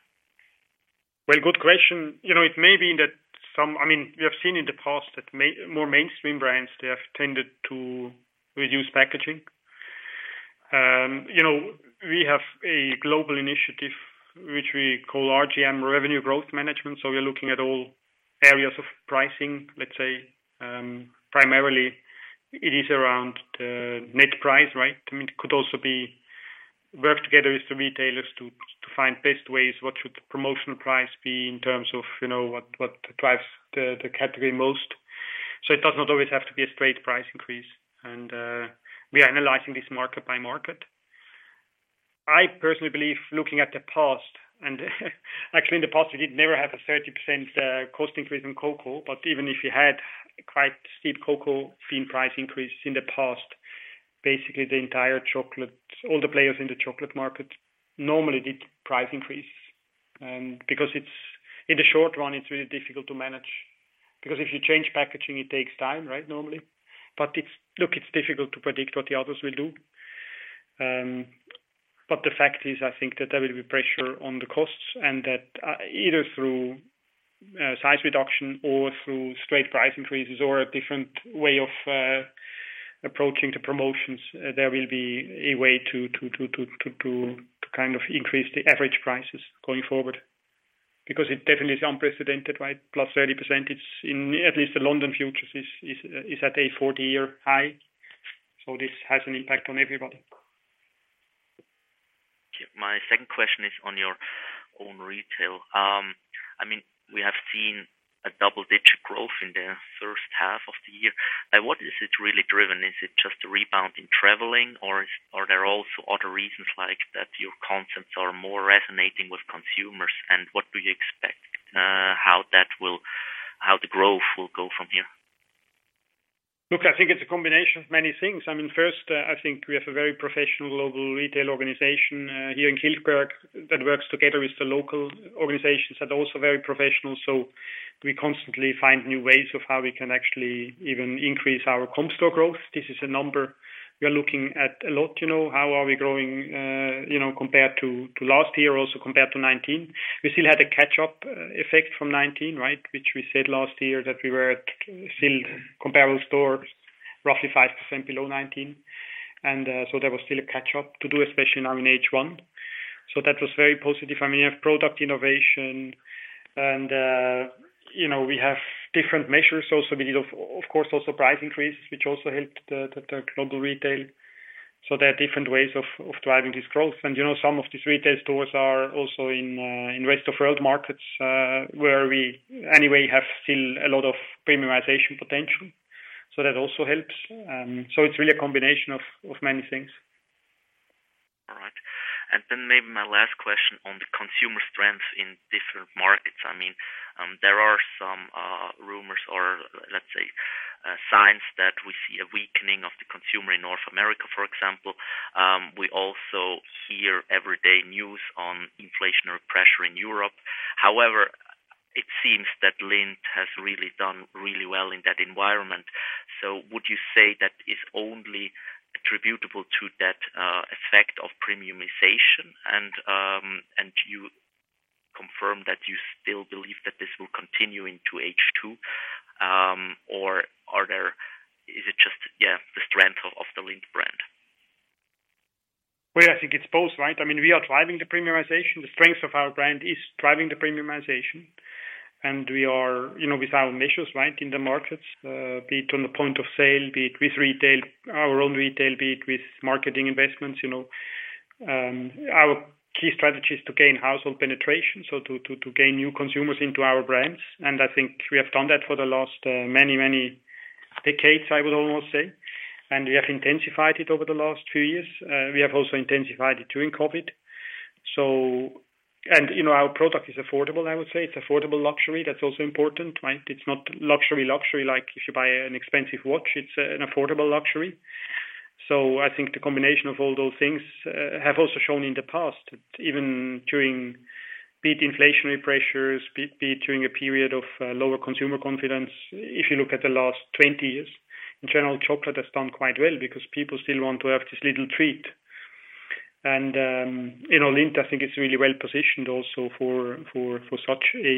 S2: Well, good question. You know, it may be that I mean, we have seen in the past that more mainstream brands, they have tended to reduce packaging. You know, we have a global initiative, which we call RGM, Revenue Growth Management, we are looking at all areas of pricing. Let's say, primarily it is around the net price, right? I mean, it could also be work together with the retailers to find best ways, what should the promotional price be in terms of, you know, what drives the category most? It does not always have to be a straight price increase, we are analyzing this market by market. I personally believe, looking at the past, actually, in the past, we did never have a 30% cost increase in cocoa. Even if you had quite steep cocoa bean price increase in the past, basically all the players in the chocolate market normally did price increase. It's, in the short run, it's really difficult to manage. If you change packaging, it takes time, right, normally? Look, it's difficult to predict what the others will do. The fact is, I think that there will be pressure on the costs and that, either through size reduction or through straight price increases or a different way of approaching the promotions, there will be a way to kind of increase the average prices going forward, because it definitely is unprecedented, right? +30% in at least the London futures is at a 40-year high, so this has an impact on everybody.
S8: My 2nd question is on your own retail. I mean, we have seen a double-digit growth in the H1 of the year. What is it really driven? Is it just a rebound in traveling, or are there also other reasons like that your concepts are more resonating with consumers, and what do you expect how the growth will go from here?
S2: Look, I think it's a combination of many things. I mean, first, I think we have a very professional global retail organization here in Kilchberg, that works together with the local organizations, that are also very professional. We constantly find new ways of how we can actually even increase our comp store growth. This is a number we are looking at a lot, you know, how are we growing, you know, compared to last year, also compared to 2019. We still had a catch-up effect from 2019, right? Which we said last year, that we were at still comparable stores, roughly 5% below 2019. There was still a catch-up to do, especially now in H1. That was very positive. I mean, we have product innovation and, you know, we have different measures also. We did of course, also price increases, which also helped the global retail. There are different ways of driving this growth. You know, some of these retail stores are also in rest of world markets, where we anyway have still a lot of premiumization potential. That also helps. It's really a combination of many things.
S8: All right. Maybe my last question on the consumer strength in different markets. I mean, there are some rumors signs that we see a weakening of the consumer in North America, for example. We also hear everyday news on inflationary pressure in Europe. However, it seems that Lindt has really done really well in that environment. Would you say that is only attributable to that effect of premiumization? Do you confirm that you still believe that this will continue into H2, or is it just, yeah, the strength of the Lindt brand?
S2: Well, I think it's both, right? I mean, we are driving the premiumization. The strength of our brand is driving the premiumization, and we are, you know, with our measures, right, in the markets, be it on the point of sale, be it with retail, our own retail, be it with marketing investments, you know. Our key strategy is to gain household penetration, so to gain new consumers into our brands. I think we have done that for the last many, many decades, I would almost say. We have intensified it over the last few years. We have also intensified it during COVID. You know, our product is affordable, I would say. It's affordable luxury. That's also important, right? It's not luxury, like if you buy an expensive watch, it's an affordable luxury. I think the combination of all those things have also shown in the past, even during big inflationary pressures, be it during a period of lower consumer confidence. If you look at the last 20 years, in general, chocolate has done quite well because people still want to have this little treat. You know, Lindt, I think, is really well positioned also for such a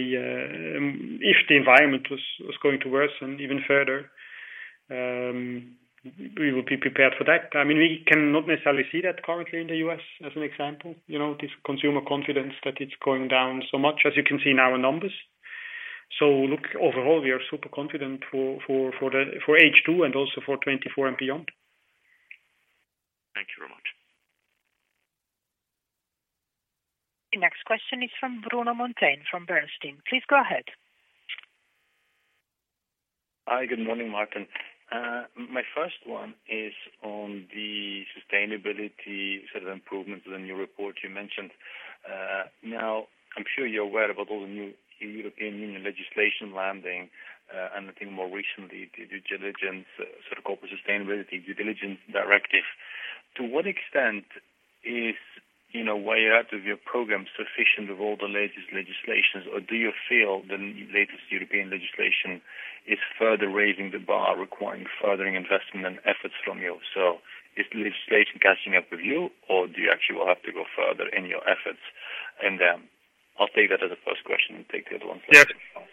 S2: if the environment was going to worsen even further, we will be prepared for that. I mean, we cannot necessarily see that currently in the US, as an example, you know, this consumer confidence that it's going down so much, as you can see in our numbers. Look, overall, we are super confident for the H2 and also for 2024 and beyond.
S8: Thank you very much.
S1: The next question is from Bruno Monteyne, from Bernstein. Please go ahead.
S9: Hi, good morning, Martin. My first one is on the sustainability sort of improvements in the new report you mentioned. Now, I'm sure you're aware of all the new European Union legislation landing, and I think more recently, the due diligence, sort of Corporate Sustainability Due Diligence Directive. To what extent is, in a way out of your program, sufficient of all the latest legislations, or do you feel the latest European legislation is further raising the bar, requiring furthering investment and efforts from you? Is the legislation catching up with you, or do you actually will have to go further in your efforts? I'll take that as a first question and take the other one second.
S2: Yeah.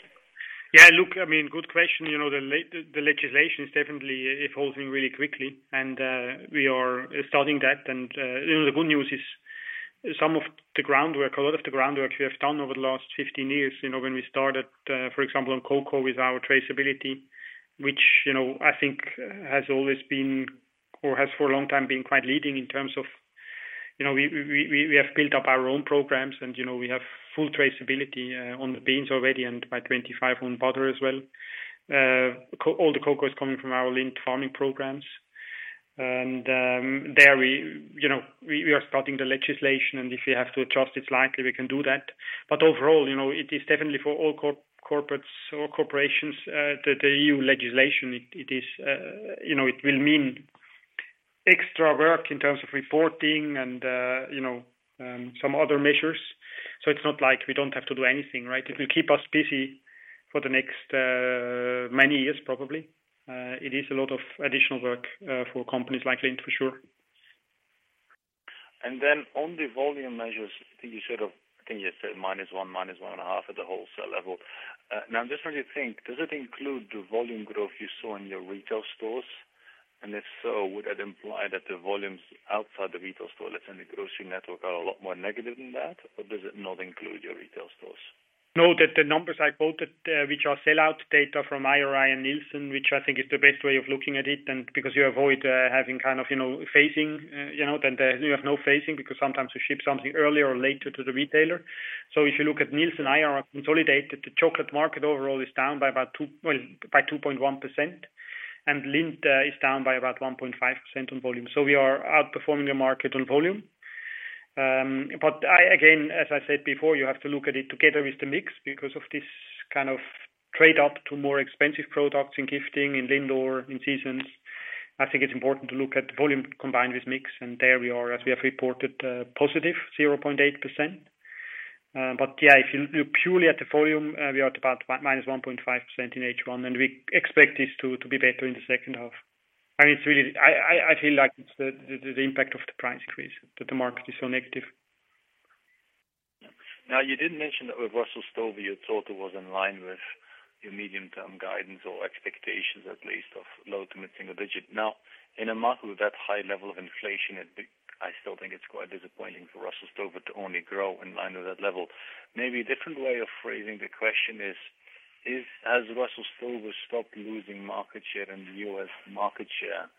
S2: Yeah, look, I mean, good question. You know, the legislation is definitely evolving really quickly, we are studying that. You know, the good news is some of the groundwork, a lot of the groundwork we have done over the last 15 years, you know, when we started, for example, on cocoa with our traceability, which, you know, I think has always been or has for a long time been quite leading in terms of. You know, we have built up our own programs, and, you know, we have full traceability on the beans already, by 25 on butter as well. All the cocoa is coming from our Lindt farming programs. There we, you know, we are studying the legislation, and if we have to adjust, it's likely we can do that. Overall, you know, it is definitely for all corporates or corporations, the new legislation, it is, you know, it will mean extra work in terms of reporting and, you know, some other measures. It's not like we don't have to do anything, right? It will keep us busy for the next many years, probably. It is a lot of additional work for companies like Lindt, for sure.
S9: On the volume measures, I think you said -1%, -1.5% at the wholesale level. Now I'm just trying to think, does it include the volume growth you saw in your retail stores? And if so, would that imply that the volumes outside the retail store, let's say in the grocery network, are a lot more negative than that, or does it not include your retail stores?
S2: The numbers I quoted, which are sellout data from IRI and Nielsen, which I think is the best way of looking at it, and because you avoid having kind of, you know, phasing, you know, then you have no phasing, because sometimes we ship something earlier or later to the retailer. If you look at Nielsen and IRI consolidated, the chocolate market overall is down by about 2.1%, Lindt is down by about 1.5% on volume. We are outperforming the market on volume. I, again, as I said before, you have to look at it together with the mix because of this kind of trade up to more expensive products in gifting, in Lindor, in seasons. I think it's important to look at volume combined with mix. There we are, as we have reported, positive 0.8%. Yeah, if you look purely at the volume, we are at about minus 1.5% in H1. We expect this to be better in the H2. I mean, it's really... I feel like it's the impact of the price increase, that the market is so negative.
S9: You did mention that with Russell Stover, you thought it was in line with your medium-term guidance or expectations, at least of low to mid-single digit. In a market with that high level of inflation, I still think it's quite disappointing for Russell Stover to only grow in line with that level. Maybe a different way of phrasing the question is, has Russell Stover stopped losing market share in the U.S. market share?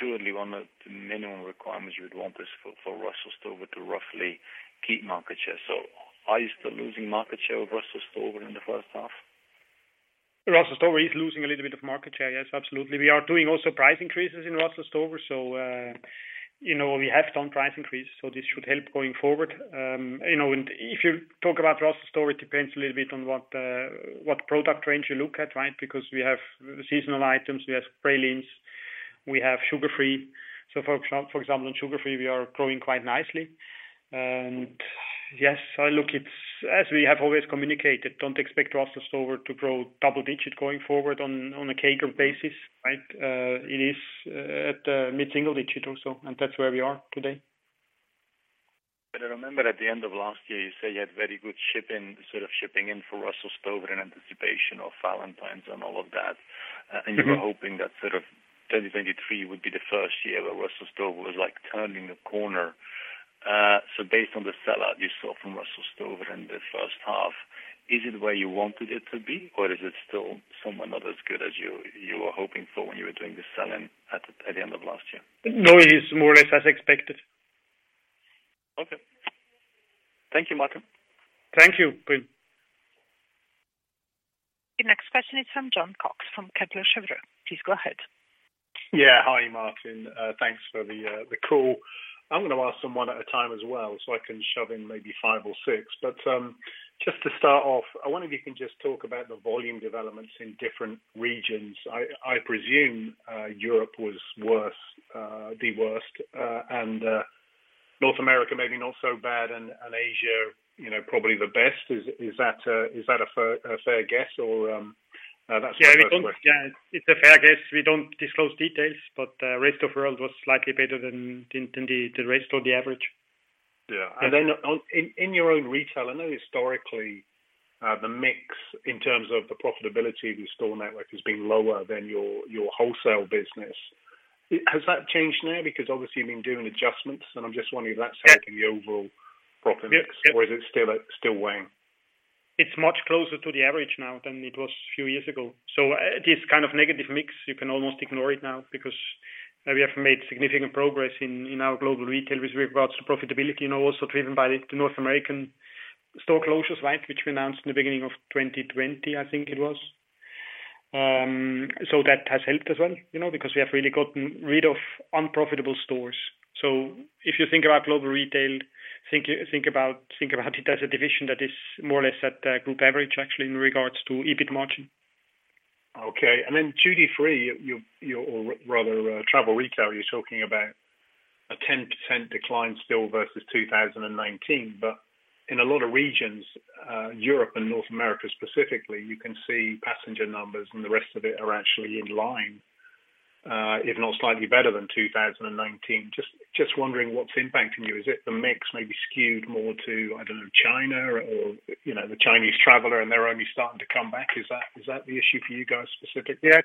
S9: Surely one of the minimum requirements you would want is for Russell Stover to roughly keep market share. Are you still losing market share with Russell Stover in the H1?
S2: Russell Stover is losing a little bit of market share. Yes, absolutely. We are doing also price increases in Russell Stover. You know, we have done price increase, so this should help going forward. You know, if you talk about Russell Stover, it depends a little bit on what product range you look at, right? We have seasonal items, we have pralines, we have sugar-free. For example, in sugar-free, we are growing quite nicely. Yes, I look, it's as we have always communicated, don't expect Russell Stover to grow double digits going forward on a CAGR basis, right? It is at mid-single digit or so, and that's where we are today.
S9: I remember at the end of last year, you said you had very good shipping, sort of shipping in for Russell Stover in anticipation of Valentine's and all of that.
S2: Mm-hmm.
S9: You were hoping that sort of 2023 would be the first year where Russell Stover was, like, turning a corner. Based on the sellout you saw from Russell Stover in the H1, is it where you wanted it to be, or is it still somewhat not as good as you were hoping for when you were doing the selling at the end of last year?
S2: No, it is more or less as expected.
S9: Okay. Thank you, Martin.
S2: Thank you, Bruno.
S1: Your next question is from Jon Cox, from Kepler Cheuvreux. Please go ahead.
S10: Yeah. Hi, Martin. Thanks for the call. I'm going to ask them one at a time as well, so I can shove in maybe five or six. Just to start off, I wonder if you can just talk about the volume developments in different regions. I presume, Europe was worse, the worst, and, North America, maybe not so bad, and, Asia, you know, probably the best. Is, is that a, is that a fair, a fair guess? Or, that's my 1st question.
S2: Yeah. It's a fair guess. We don't disclose details, but rest of world was slightly better than the rest of the average.
S10: Yeah. In your own retail, I know historically, the mix in terms of the profitability of your store network has been lower than your wholesale business. Has that changed now? Because obviously you've been doing adjustments, and I'm just wondering if that's helping the overall profit mix-
S2: Yeah.
S10: is it still weighing?
S2: It's much closer to the average now than it was a few years ago. This kind of negative mix, you can almost ignore it now because we have made significant progress in our global retail with regards to profitability, now also driven by the North American store closures, right? Which we announced in the beginning of 2020, I think it was. That has helped as well, you know, because we have really gotten rid of unprofitable stores. If you think about global retail, think about it as a division that is more or less at Group average, actually, in regards to EBIT margin.
S10: Okay. Then duty-free, you or rather, travel retail, you're talking about a 10% decline still versus 2019. In a lot of regions, Europe and North America specifically, you can see passenger numbers, and the rest of it are actually in line, if not slightly better than 2019. Just wondering what's impacting you. Is it the mix maybe skewed more to, I don't know, China or, you know, the Chinese traveler, and they're only starting to come back? Is that the issue for you guys specifically?
S2: Yeah,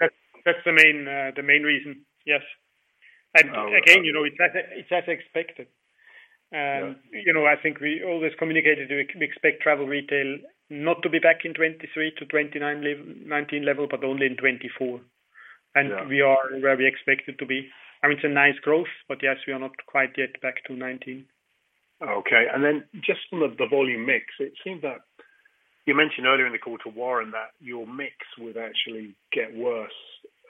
S2: that's the main reason, yes.
S10: All right.
S2: again, you know, it's as expected.
S10: Yeah.
S2: you know, I think we always communicated we expect travel retail not to be back in 2023 to 2029, 2019 level, but only in 2024.
S10: Yeah.
S2: We are where we expect it to be. I mean, it's a nice growth, but yes, we are not quite yet back to 19.
S10: Okay. Then just on the volume mix, it seemed that you mentioned earlier in the call to Warren Ackerman that your mix would actually get worse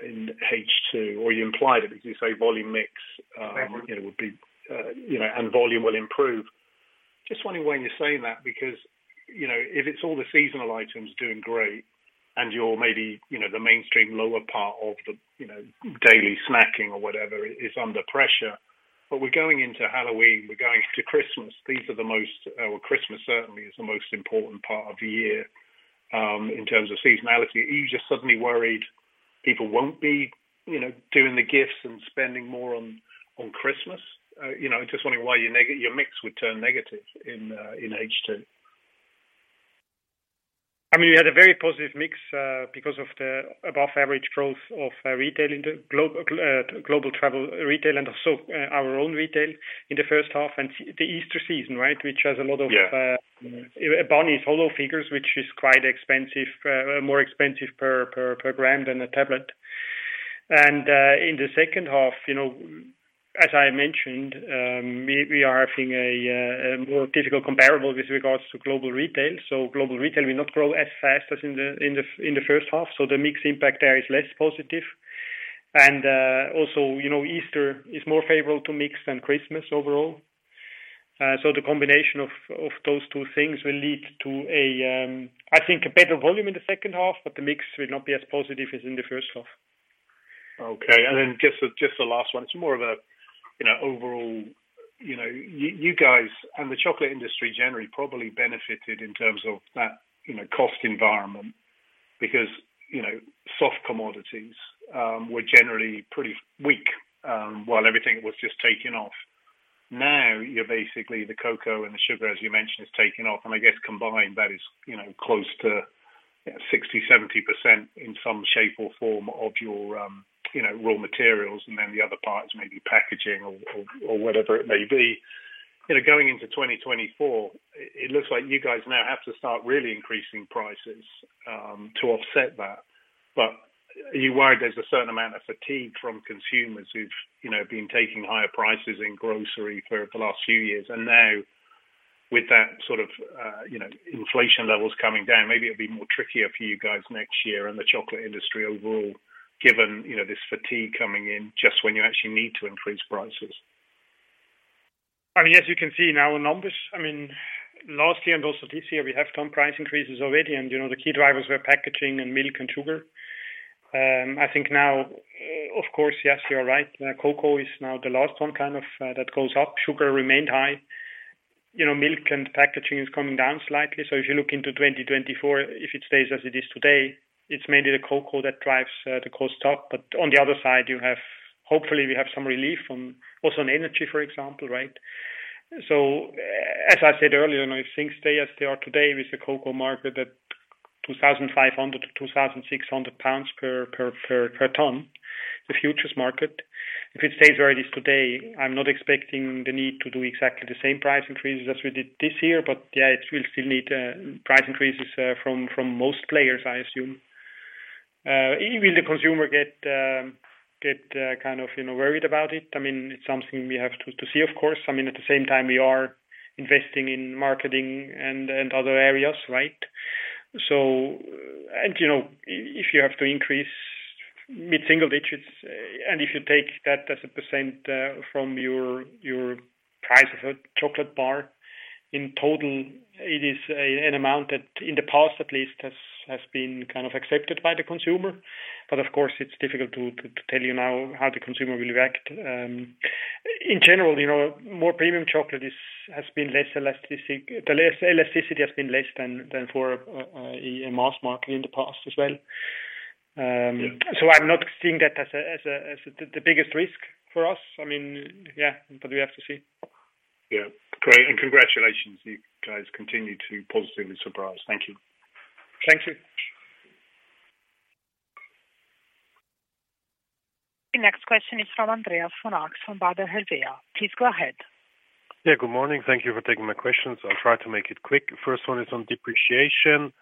S10: in H2, or you implied it, because you say volume mix.
S2: Right...
S10: you know, would be, you know, and volume will improve. Just wondering why you're saying that, because, you know, if it's all the seasonal items doing great and you're maybe, you know, the mainstream lower part of the, you know, daily snacking or whatever, is under pressure. We're going into Halloween, we're going into Christmas. These are the most, well, Christmas certainly is the most important part of the year, in terms of seasonality. Are you just suddenly worried people won't be, you know, doing the gifts and spending more on Christmas? You know, just wondering why your mix would turn negative in H2.
S2: I mean, we had a very positive mix, because of the above average growth of retail in the globe, global travel retail and also, our own retail in the H1 and the Easter season, right? Which has a lot.
S10: Yeah...
S2: Bunny's Hollow Figures, which is quite expensive, more expensive per gram than a tablet. In the H2, you know, as I mentioned, we are having a more difficult comparable with regards to global retail. Global retail will not grow as fast as in the H1, so the mix impact there is less positive. Also, you know, Easter is more favorable to mix than Christmas overall. The combination of those two things will lead to a, I think, a better volume in the H2, but the mix will not be as positive as in the H1.
S10: Okay. Just the last one. It's more of a, you know, overall, you know, you guys and the chocolate industry generally, probably benefited in terms of that, you know, cost environment because, you know, soft commodities were generally pretty weak while everything was just taking off. Now, you're basically the cocoa and the sugar, as you mentioned, is taking off, and I guess combined, that is, you know, close to 60%-70% in some shape or form of your, you know, raw materials, and then the other parts may be packaging or whatever it may be. You know, going into 2024, it looks like you guys now have to start really increasing prices to offset that. Are you worried there's a certain amount of fatigue from consumers who've, you know, been taking higher prices in grocery for the last few years, with that sort of, you know, inflation levels coming down, maybe it'll be more trickier for you guys next year in the chocolate industry overall, given, you know, this fatigue coming in just when you actually need to increase prices?
S2: I mean, as you can see now, in numbers, I mean, last year and also this year, we have done price increases already, and, you know, the key drivers were packaging and milk and sugar. I think now, of course, yes, you are right. Cocoa is now the last one, kind of, that goes up. Sugar remained high. You know, milk and packaging is coming down slightly. If you look into 2024, if it stays as it is today, it's mainly the cocoa that drives the cost up. On the other side, hopefully, we have some relief from also on energy, for example, right? As I said earlier, you know, if things stay as they are today, with the cocoa market at 2,500-2,600 pounds per ton, the futures market, if it stays where it is today, I'm not expecting the need to do exactly the same price increases as we did this year. Yeah, it will still need price increases from most players, I assume. Will the consumer get, you know, worried about it? I mean, it's something we have to see, of course. I mean, at the same time, we are investing in marketing and other areas, right? You know, if you have to increase mid-single digits, and if you take that as a %, from your price of a chocolate bar, in total, it is an amount that in the past at least, has been kind of accepted by the consumer. Of course, it's difficult to tell you now how the consumer will react. In general, you know, more premium chocolate has been less elastic. The less elasticity has been less than for, in mass market in the past as well. I'm not seeing that as a, as the biggest risk for us. I mean, yeah, we have to see.
S10: Yeah. Great. Congratulations, you guys continue to positively surprise. Thank you.
S2: Thank you.
S1: The next question is from Andreas von Arx from Baader Helvea. Please go ahead.
S11: Good morning. Thank you for taking my questions. I'll try to make it quick. First one is on depreciation.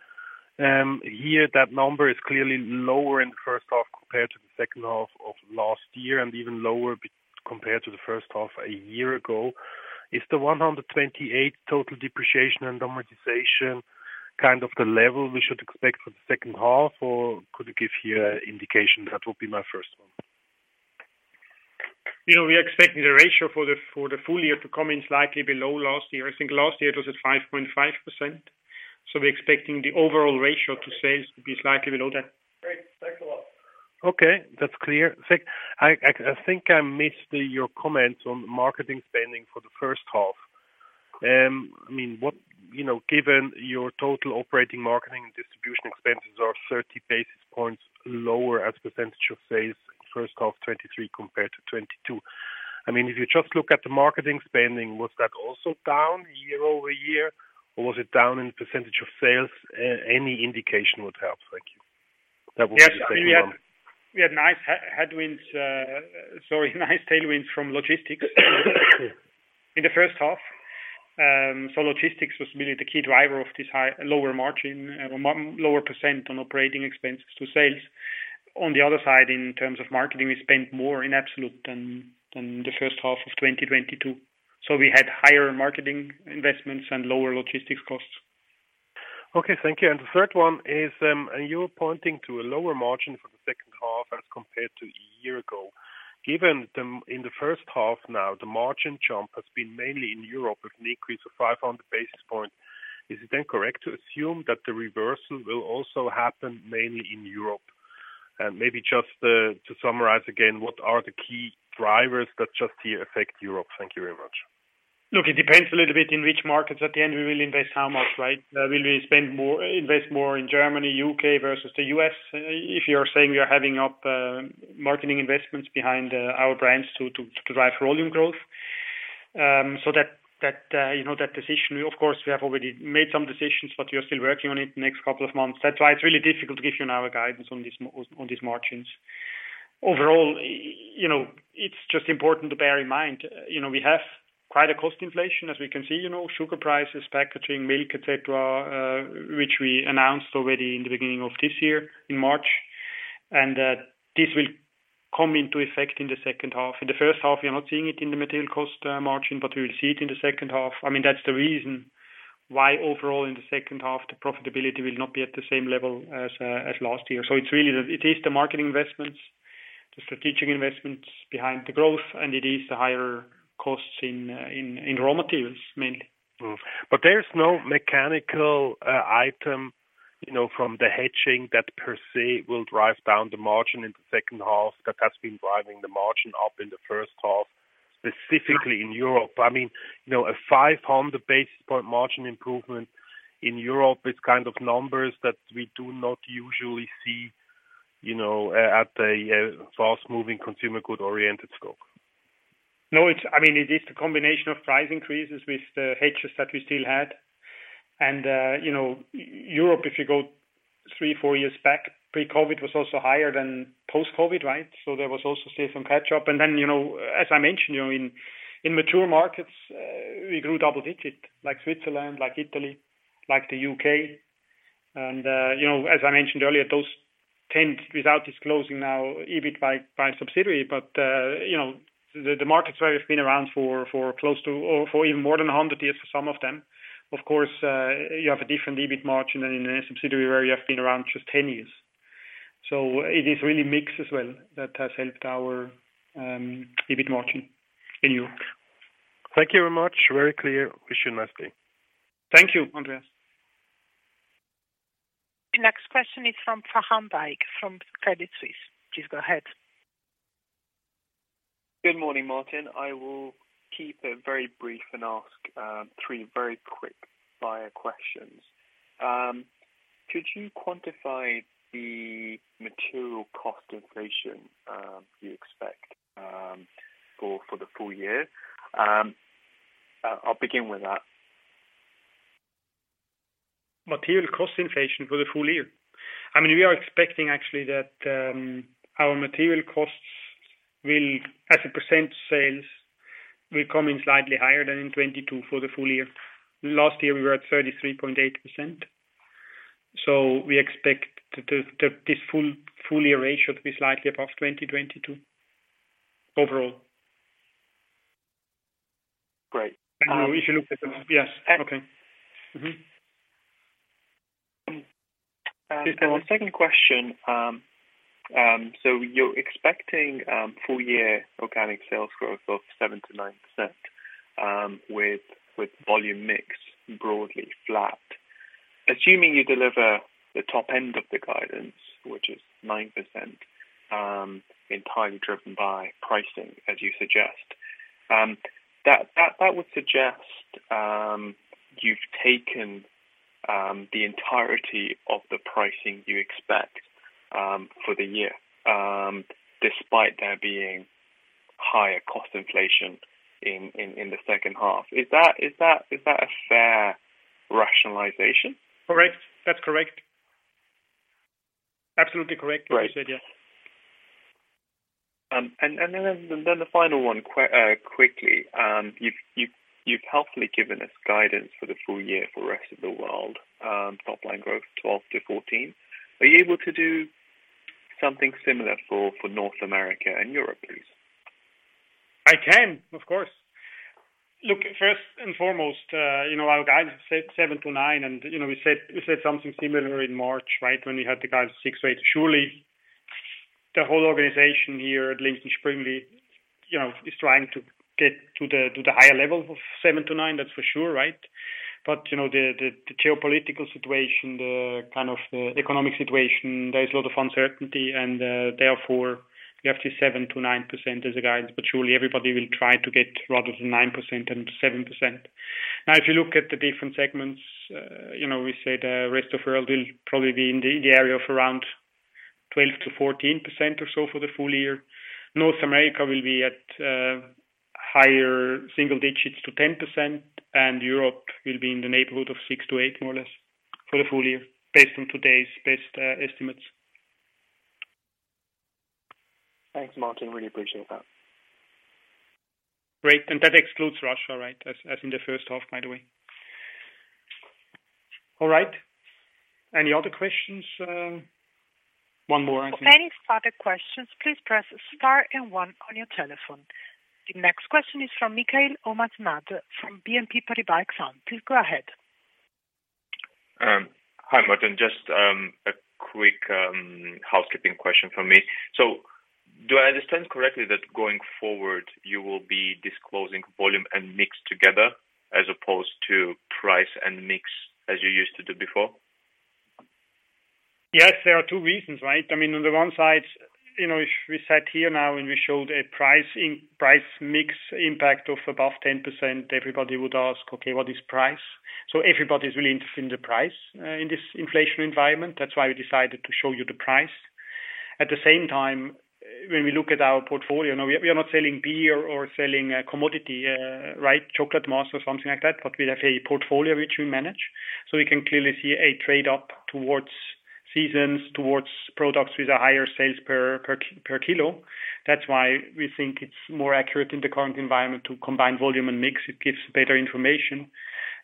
S11: Here, that number is clearly lower in the H1 compared to the H2 of last year, and even lower compared to the H1 a year ago. Is the 128 total depreciation and amortization kind of the level we should expect for the H2, or could you give here an indication? That would be my first one.
S2: You know, we are expecting the ratio for the full year to come in slightly below last year. I think last year it was at 5.5%, we're expecting the overall ratio to sales to be slightly below that.
S11: Great. Thanks a lot. Okay, that's clear. I think I missed your comments on marketing spending for the H1. I mean, you know, given your total operating, marketing, and distribution expenses are 30 basis points lower as a percentage of sales in H1 2023 compared to 2022. I mean, if you just look at the marketing spending, was that also down year-over-year, or was it down in percentage of sales? Any indication would help. Thank you. That would be the second one.
S2: We had nice headwinds, sorry, nice tailwinds from logistics in the H1. Logistics was really the key driver of this high, lower margin, lower % on operating expenses to sales. On the other side, in terms of marketing, we spent more in absolute than the H1 of 2022. We had higher marketing investments and lower logistics costs.
S11: Okay, thank you. The third one is, you're pointing to a lower margin for the H2 as compared to a year ago. Given the in the H1 now, the margin jump has been mainly in Europe, with an increase of 500 basis points. Is it then correct to assume that the reversal will also happen mainly in Europe? Maybe just to summarize again, what are the key drivers that just here affect Europe? Thank you very much.
S2: Look, it depends a little bit in which markets at the end we will invest how much, right? Will we invest more in Germany, UK, versus the US? If you're saying we are having up marketing investments behind our brands to drive volume growth, you know, that decision, of course, we have already made some decisions, but we are still working on it the next couple of months. That's why it's really difficult to give you now a guidance on these, on these margins. Overall, you know, it's just important to bear in mind, you know, we have quite a cost inflation as we can see, you know, sugar prices, packaging, milk, et cetera, which we announced already in the beginning of this year, in March. This will come into effect in the H2. In the H1, we are not seeing it in the material cost, margin, but we will see it in the H2. I mean, that's the reason why overall in the H2, the profitability will not be at the same level as last year. It's really it is the marketing investments, the strategic investments behind the growth, and it is the higher costs in raw materials, mainly.
S11: There's no mechanical item, you know, from the hedging that per se will drive down the margin in the H2, that has been driving the margin up in the H1, specifically in Europe. I mean, you know, a 500 basis point margin improvement in Europe is kind of numbers that we do not usually see, you know, at a fast-moving consumer good-oriented scope.
S2: No, I mean, it is the combination of price increases with the hedges that we still had. You know, Europe, if you go three, four years back, pre-COVID was also higher than post-COVID, right? There was also still some catch-up. Then, you know, as I mentioned, you know, in mature markets, we grew double digits, like Switzerland, like Italy, like the UK. You know, as I mentioned earlier, those tend, without disclosing now, EBIT by subsidiary, but, you know, the markets where we've been around for close to, or for even more than 100 years, for some of them, of course, you have a different EBIT margin than in a subsidiary where you have been around just 10 years. It is really mixed as well, that has helped our EBIT margin in Europe.
S11: Thank you very much. Very clear. Wish you nicely.
S2: Thank you, Andreas.
S1: The next question is from Farhan Bhai from Credit Suisse. Please go ahead.
S12: Good morning, Martin. I will keep it very brief and ask three very quick buyer questions. Could you quantify the material cost inflation you expect for the full year? I'll begin with that.
S2: Material cost inflation for the full year. I mean, we are expecting actually, that, our material costs will, as a percent sales, will come in slightly higher than in 2022 for the full year. Last year we were at 33.8%. We expect this full year rate should be slightly above 2022, overall.
S12: Great.
S2: We should look at the... Yes. Okay. Mm-hmm.
S12: The 2nd, so you're expecting full year organic sales growth of 7%-9%, with volume mix broadly flat. Assuming you deliver the top end of the guidance, which is 9%, entirely driven by pricing, as you suggest, that would suggest you've taken the entirety of the pricing you expect for the year, despite there being higher cost inflation in the H2. Is that a fair rationalization?
S2: Correct. That's correct. Absolutely correct.
S12: Right.
S2: What you said, yes.
S12: Then the final one, quickly. You've helpfully given us guidance for the full year for the rest of the world, top line growth, 12%-14%. Are you able to do something similar for North America and Europe, please?
S2: I can, of course. Look, first and foremost, you know, our guidance said 7%-9%. You know, we said something similar in March, right? When we had the guide 6%-8%. Surely, the whole organization here at Lindt & Sprüngli, you know, is trying to get to the higher level of 7%-9%, that's for sure, right? You know, the geopolitical situation, the kind of the economic situation, there is a lot of uncertainty and, therefore, we have to 7%-9% as a guide, but surely everybody will try to get rather than 9% and 7%. If you look at the different segments, you know, we said, rest of world will probably be in the area of around 12%-14% or so for the full year. North America will be at, higher single digits to 10%, and Europe will be in the neighborhood of 6%-8%, more or less, for the full year, based on today's best, estimates.
S12: Thanks, Martin. Really appreciate that.
S2: Great. That excludes Russia, right, as in the H1, by the way. All right. Any other questions?
S11: One more I think.
S1: For any further questions, please press Star and One on your telephone. The next question is from Mikheil Omanadze from BNP Paribas Exane. Please go ahead.
S13: Hi, Martin. Just a quick housekeeping question for me. Do I understand correctly that going forward, you will be disclosing volume and mix together, as opposed to price and mix, as you used to do before?
S2: Yes, there are two reasons, right? I mean, on the one side, you know, if we sat here now and we showed a price mix impact of above 10%, everybody would ask: Okay, what is price? Everybody is really interested in the price in this inflation environment. That's why we decided to show you the price. At the same time, when we look at our portfolio, now, we are not selling beer or selling a commodity, right, chocolate mousse or something like that, but we have a portfolio which we manage. We can clearly see a trade-up towards seasons, towards products with a higher sales per kilo. That's why we think it's more accurate in the current environment to combine volume and mix. It gives better information.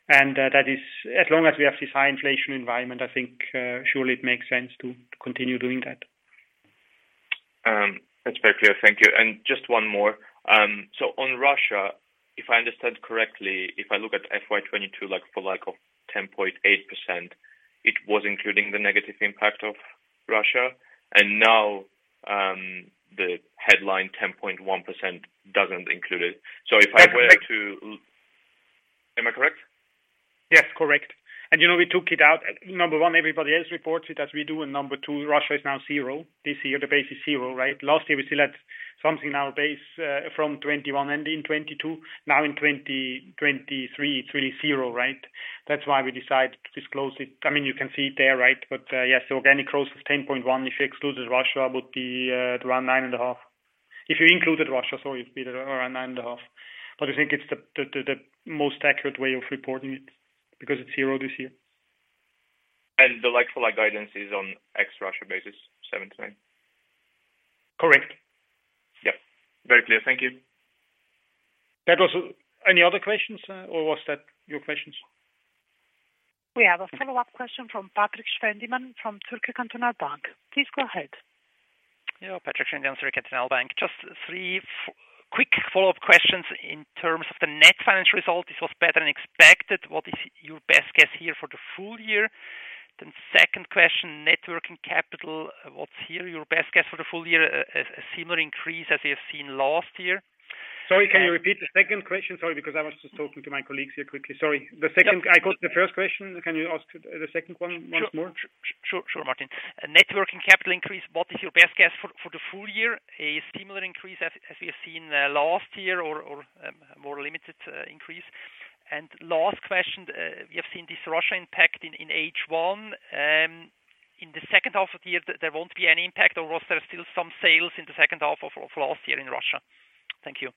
S2: That is as long as we have this high inflation environment, I think, surely it makes sense to continue doing that.
S13: That's very clear. Thank you. Just one more. On Russia, if I understand correctly, if I look at FY 2022, like, for like of 10.8%, it was including the negative impact of Russia, and now, the headline 10.1% doesn't include it. If I were to... Am I correct?
S2: Yes, correct. You know, we took it out. Number one, everybody else reports it as we do, and number two, Russia is now zero. This year, the base is zero, right? Last year, we still had something in our base from 2021 and in 2022. Now in 2023, it's really zero, right? That's why we decided to disclose it. I mean, you can see it there, right? Yes, the organic growth is 10.1. If you excluded Russia, it would be around 9.5. If you included Russia, it would be around 9.5. I think it's the most accurate way of reporting it, because it's zero this year.
S13: The like-for-like guidance is on ex Russia basis, 7%-9%?
S2: Correct. Very clear. Thank you. Any other questions, or was that your questions?
S1: We have a follow-up question from Patrik Schwendimann, from Zurich Cantonal Bank. Please go ahead.
S5: Patrik Schwendimann, Zurich Cantonal Bank. Just three quick follow-up questions in terms of the net financial result. This was better than expected. What is your best guess here for the full year? 2nd question, net working capital, what's here, your best guess for the full year, a similar increase as we have seen last year?
S2: Sorry, can you repeat the 2nd question? Sorry, because I was just talking to my colleagues here quickly. Sorry. I got the first question. Can you ask the second one once more?
S5: Sure, Martin. Networking capital increase, what is your best guess for the full year? A similar increase as we have seen last year or more limited increase? Last question, we have seen this Russia impact in H1. In the H2 of the year, there won't be any impact, or was there still some sales in the H2 of last year in Russia? Thank you.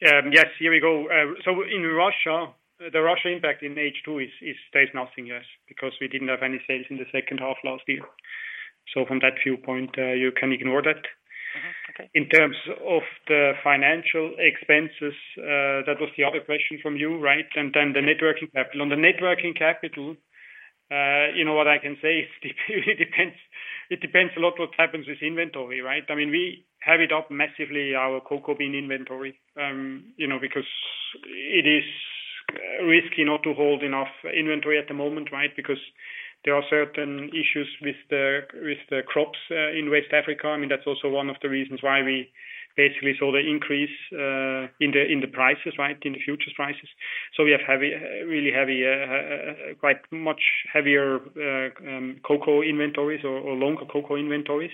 S2: Yes, here we go. In Russia, the Russia impact in H2 is there's nothing, yes, because we didn't have any sales in the H2 last year. From that viewpoint, you can ignore that.
S5: Mm-hmm. Okay.
S2: In terms of the financial expenses, that was the other question from you, right? Then the networking capital. On the networking capital, you know what I can say, it depends a lot what happens with inventory, right? I mean, we have it up massively, our cocoa bean inventory, you know, because it is risky not to hold enough inventory at the moment, right? Because there are certain issues with the crops in West Africa. I mean, that's also one of the reasons why we basically saw the increase in the prices, right, in the futures prices. We have heavy, really heavy, quite much heavier, cocoa inventories or longer cocoa inventories,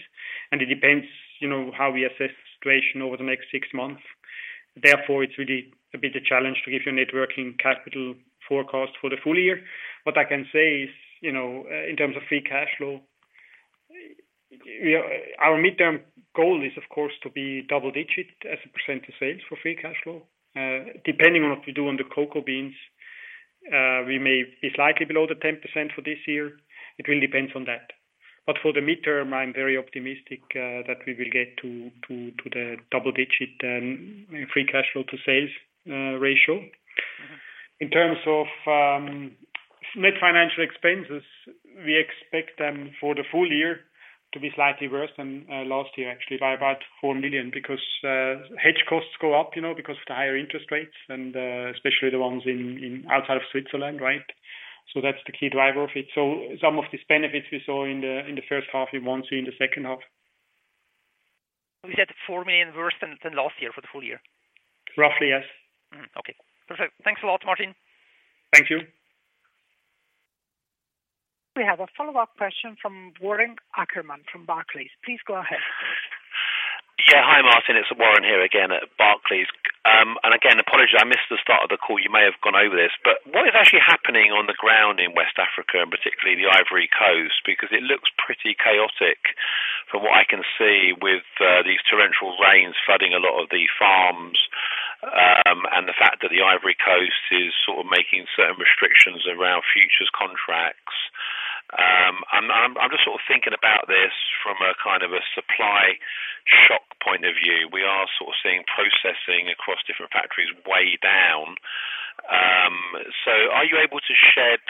S2: and it depends, you know, how we assess the situation over the next six months. It's really a bit a challenge to give you net working capital forecast for the full year. What I can say is, you know, in terms of free cash flow, our midterm goal is, of course, to be double-digit as a % of sales for free cash flow. Depending on what we do on the cocoa beans, we may be slightly below the 10% for this year. It really depends on that, for the midterm, I'm very optimistic that we will get to the double-digit free cash flow to sales ratio. In terms of net financial expenses, we expect them for the full year to be slightly worse than last year, actually, by about 4 million, because hedge costs go up, you know, because of the higher interest rates and especially the ones in outside of Switzerland, right? That's the key driver of it. Some of these benefits we saw in the H1, we won't see in the H2.
S5: You said 4 million worse than last year for the full year?
S2: Roughly, yes.
S5: Mm-hmm. Okay. Perfect. Thanks a lot, Martin.
S2: Thank you.
S1: We have a follow-up question from Warren Ackerman from Barclays. Please go ahead.
S6: Yeah. Hi, Martin, it's Warren here again at Barclays. Again, apologies, I missed the start of the call. You may have gone over this, but what is actually happening on the ground in West Africa, and particularly the Ivory Coast? Because it looks pretty chaotic from what I can see with, these torrential rains flooding a lot of the farms, and the fact that the Ivory Coast is sort of making certain restrictions around futures contracts. I'm just sort of thinking about this from a kind of a supply shock point of view. We are sort of seeing processing across different factories way down. Are you able to shed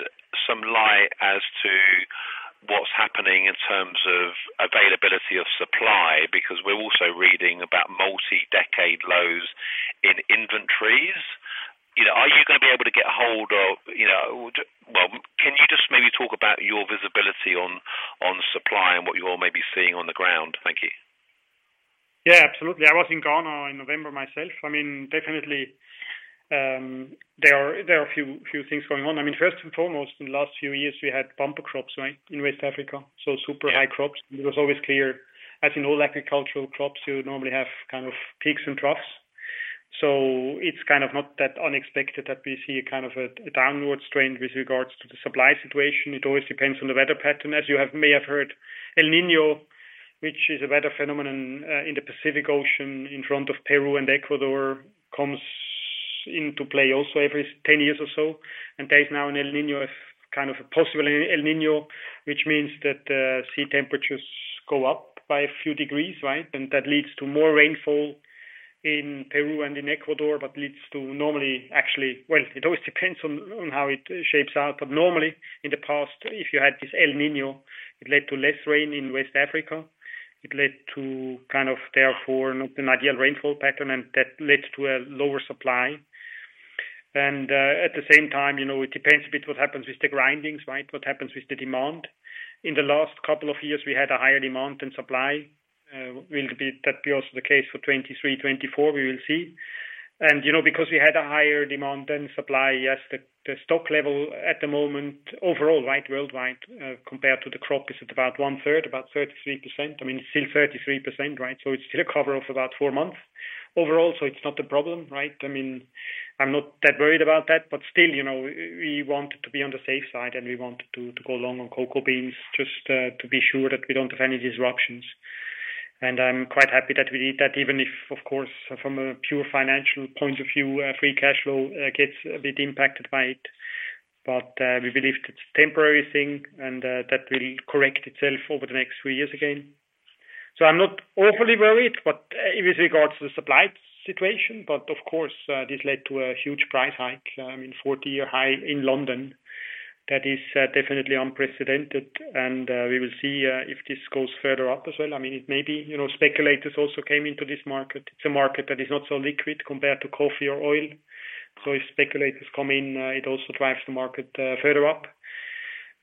S6: some light as to what's happening in terms of availability of supply? Because we're also reading about multi-decade lows in inventories. You know, are you gonna be able to get a hold of, you know? Well, can you just maybe talk about your visibility on supply and what you all may be seeing on the ground? Thank you.
S2: Yeah, absolutely. I was in Ghana in November myself. I mean, definitely, there are a few things going on. I mean, first and foremost, in the last few years, we had bumper crops, right, in West Africa, super high crops.
S6: Yeah.
S2: It was always clear, as in all agricultural crops, you normally have kind of peaks and troughs, so it's kind of not that unexpected that we see a kind of a downward strain with regards to the supply situation. It always depends on the weather pattern. As you may have heard, El Niño, which is a weather phenomenon in the Pacific Ocean, in front of Peru and Ecuador, comes into play also every 10 years or so, and there is now an El Niño, a kind of a possible El Niño, which means that the sea temperatures go up by a few degrees, right? That leads to more rainfall in Peru and in Ecuador, leads to normally, it always depends on how it shapes out, but normally in the past, if you had this El Niño, it led to less rain in West Africa. It led to kind of, therefore, not an ideal rainfall pattern, that led to a lower supply. At the same time, you know, it depends a bit what happens with the grindings, right? What happens with the demand. In the last couple of years, we had a higher demand than supply. Will that be also the case for 2023, 2024, we will see. You know, because we had a higher demand than supply, yes, the stock level at the moment, overall, right, worldwide, compared to the crop, is at about one third, about 33%. I mean, it's still 33%, right? It's still a cover of about four months overall. It's not a problem, right? I mean, I'm not that worried about that, but still, you know, we want to be on the safe side, and we want to go along on cocoa beans, just to be sure that we don't have any disruptions. I'm quite happy that we did that, even if, of course, from a pure financial point of view, free cash flow gets a bit impacted by it. We believe it's a temporary thing, and that will correct itself over the next three years again. I'm not awfully worried, but with regards to the supply situation, but of course, this led to a huge price hike. I mean, 40-year high in London, that is definitely unprecedented, and we will see if this goes further up as well. I mean, it may be, you know, speculators also came into this market. It's a market that is not so liquid compared to coffee or oil. If speculators come in, it also drives the market further up.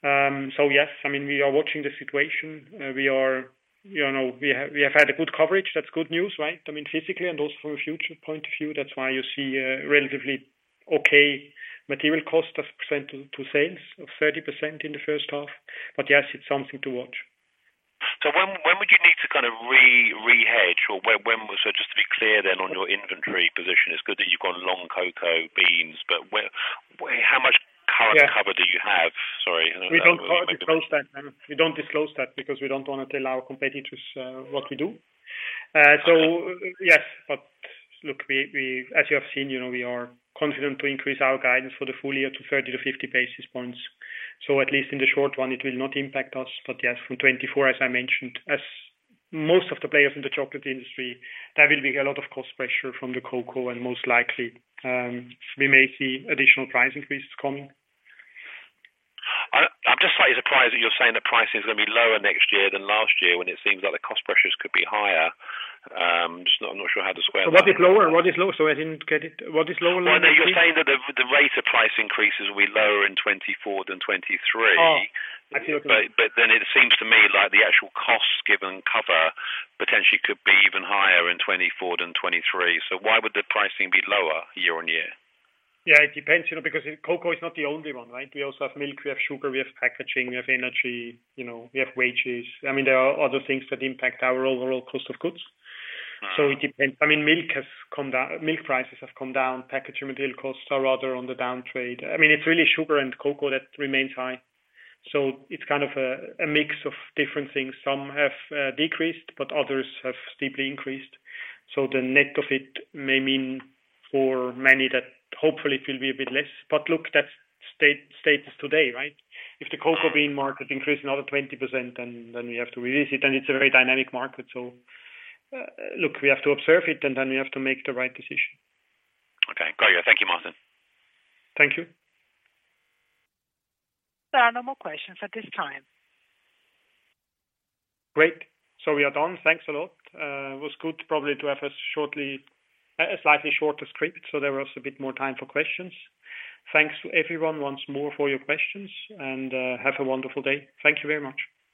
S2: Yes, I mean, we are watching the situation. We are, you know, we have had a good coverage. That's good news, right? I mean, physically and also from a future point of view. That's why you see relatively okay material cost of % to sales of 30% in the H1. Yes, it's something to watch.
S6: When would you need to kind of re-hedge, or when? Just to be clear, then on your inventory position, it's good that you've got long cocoa beans, but where, how much?
S2: Yeah.
S6: cover do you have? Sorry, I don't know-
S2: We don't disclose that. We don't disclose that because we don't wanna tell our competitors, what we do.
S6: Okay.
S2: Yes, look, as you have seen, you know, we are confident to increase our guidance for the full year to 30 basis point-50 basis points. At least in the short one, it will not impact us. Yes, from 2024, as I mentioned, as most of the players in the chocolate industry, there will be a lot of cost pressure from the cocoa and most likely, we may see additional price increases coming.
S6: I'm just slightly surprised that you're saying the price is gonna be lower next year than last year, when it seems like the cost pressures could be higher. Just not sure how to square.
S2: What is lower? What is low? I didn't get it. What is lower?
S6: Well, no, you're saying that the rate of price increases will be lower in 2024 than 2023.
S2: Oh, I see what you mean.
S6: It seems to me like the actual costs, given cover, potentially could be even higher in 2024 than 2023. Why would the pricing be lower year-on-year?
S2: It depends, you know, because cocoa is not the only one, right? We also have milk, we have sugar, we have packaging, we have energy, you know, we have wages. I mean, there are other things that impact our overall cost of goods.
S6: Mm.
S2: It depends. I mean, milk prices have come down. Packaging material costs are rather on the downtrade. I mean, it's really sugar and cocoa that remains high, it's kind of a mix of different things. Some have decreased, others have steeply increased. The net of it may mean for many that hopefully it will be a bit less. Look, that's status today, right? If the cocoa bean market increases another 20%, then we have to release it's a very dynamic market. Look, we have to observe it, then we have to make the right decision.
S6: Okay. Got you. Thank you, Martin.
S2: Thank you.
S1: There are no more questions at this time.
S2: Great! We are done. Thanks a lot. It was good probably to have a shortly, a slightly shorter script, so there was a bit more time for questions. Thanks to everyone once more for your questions, and have a wonderful day. Thank you very much.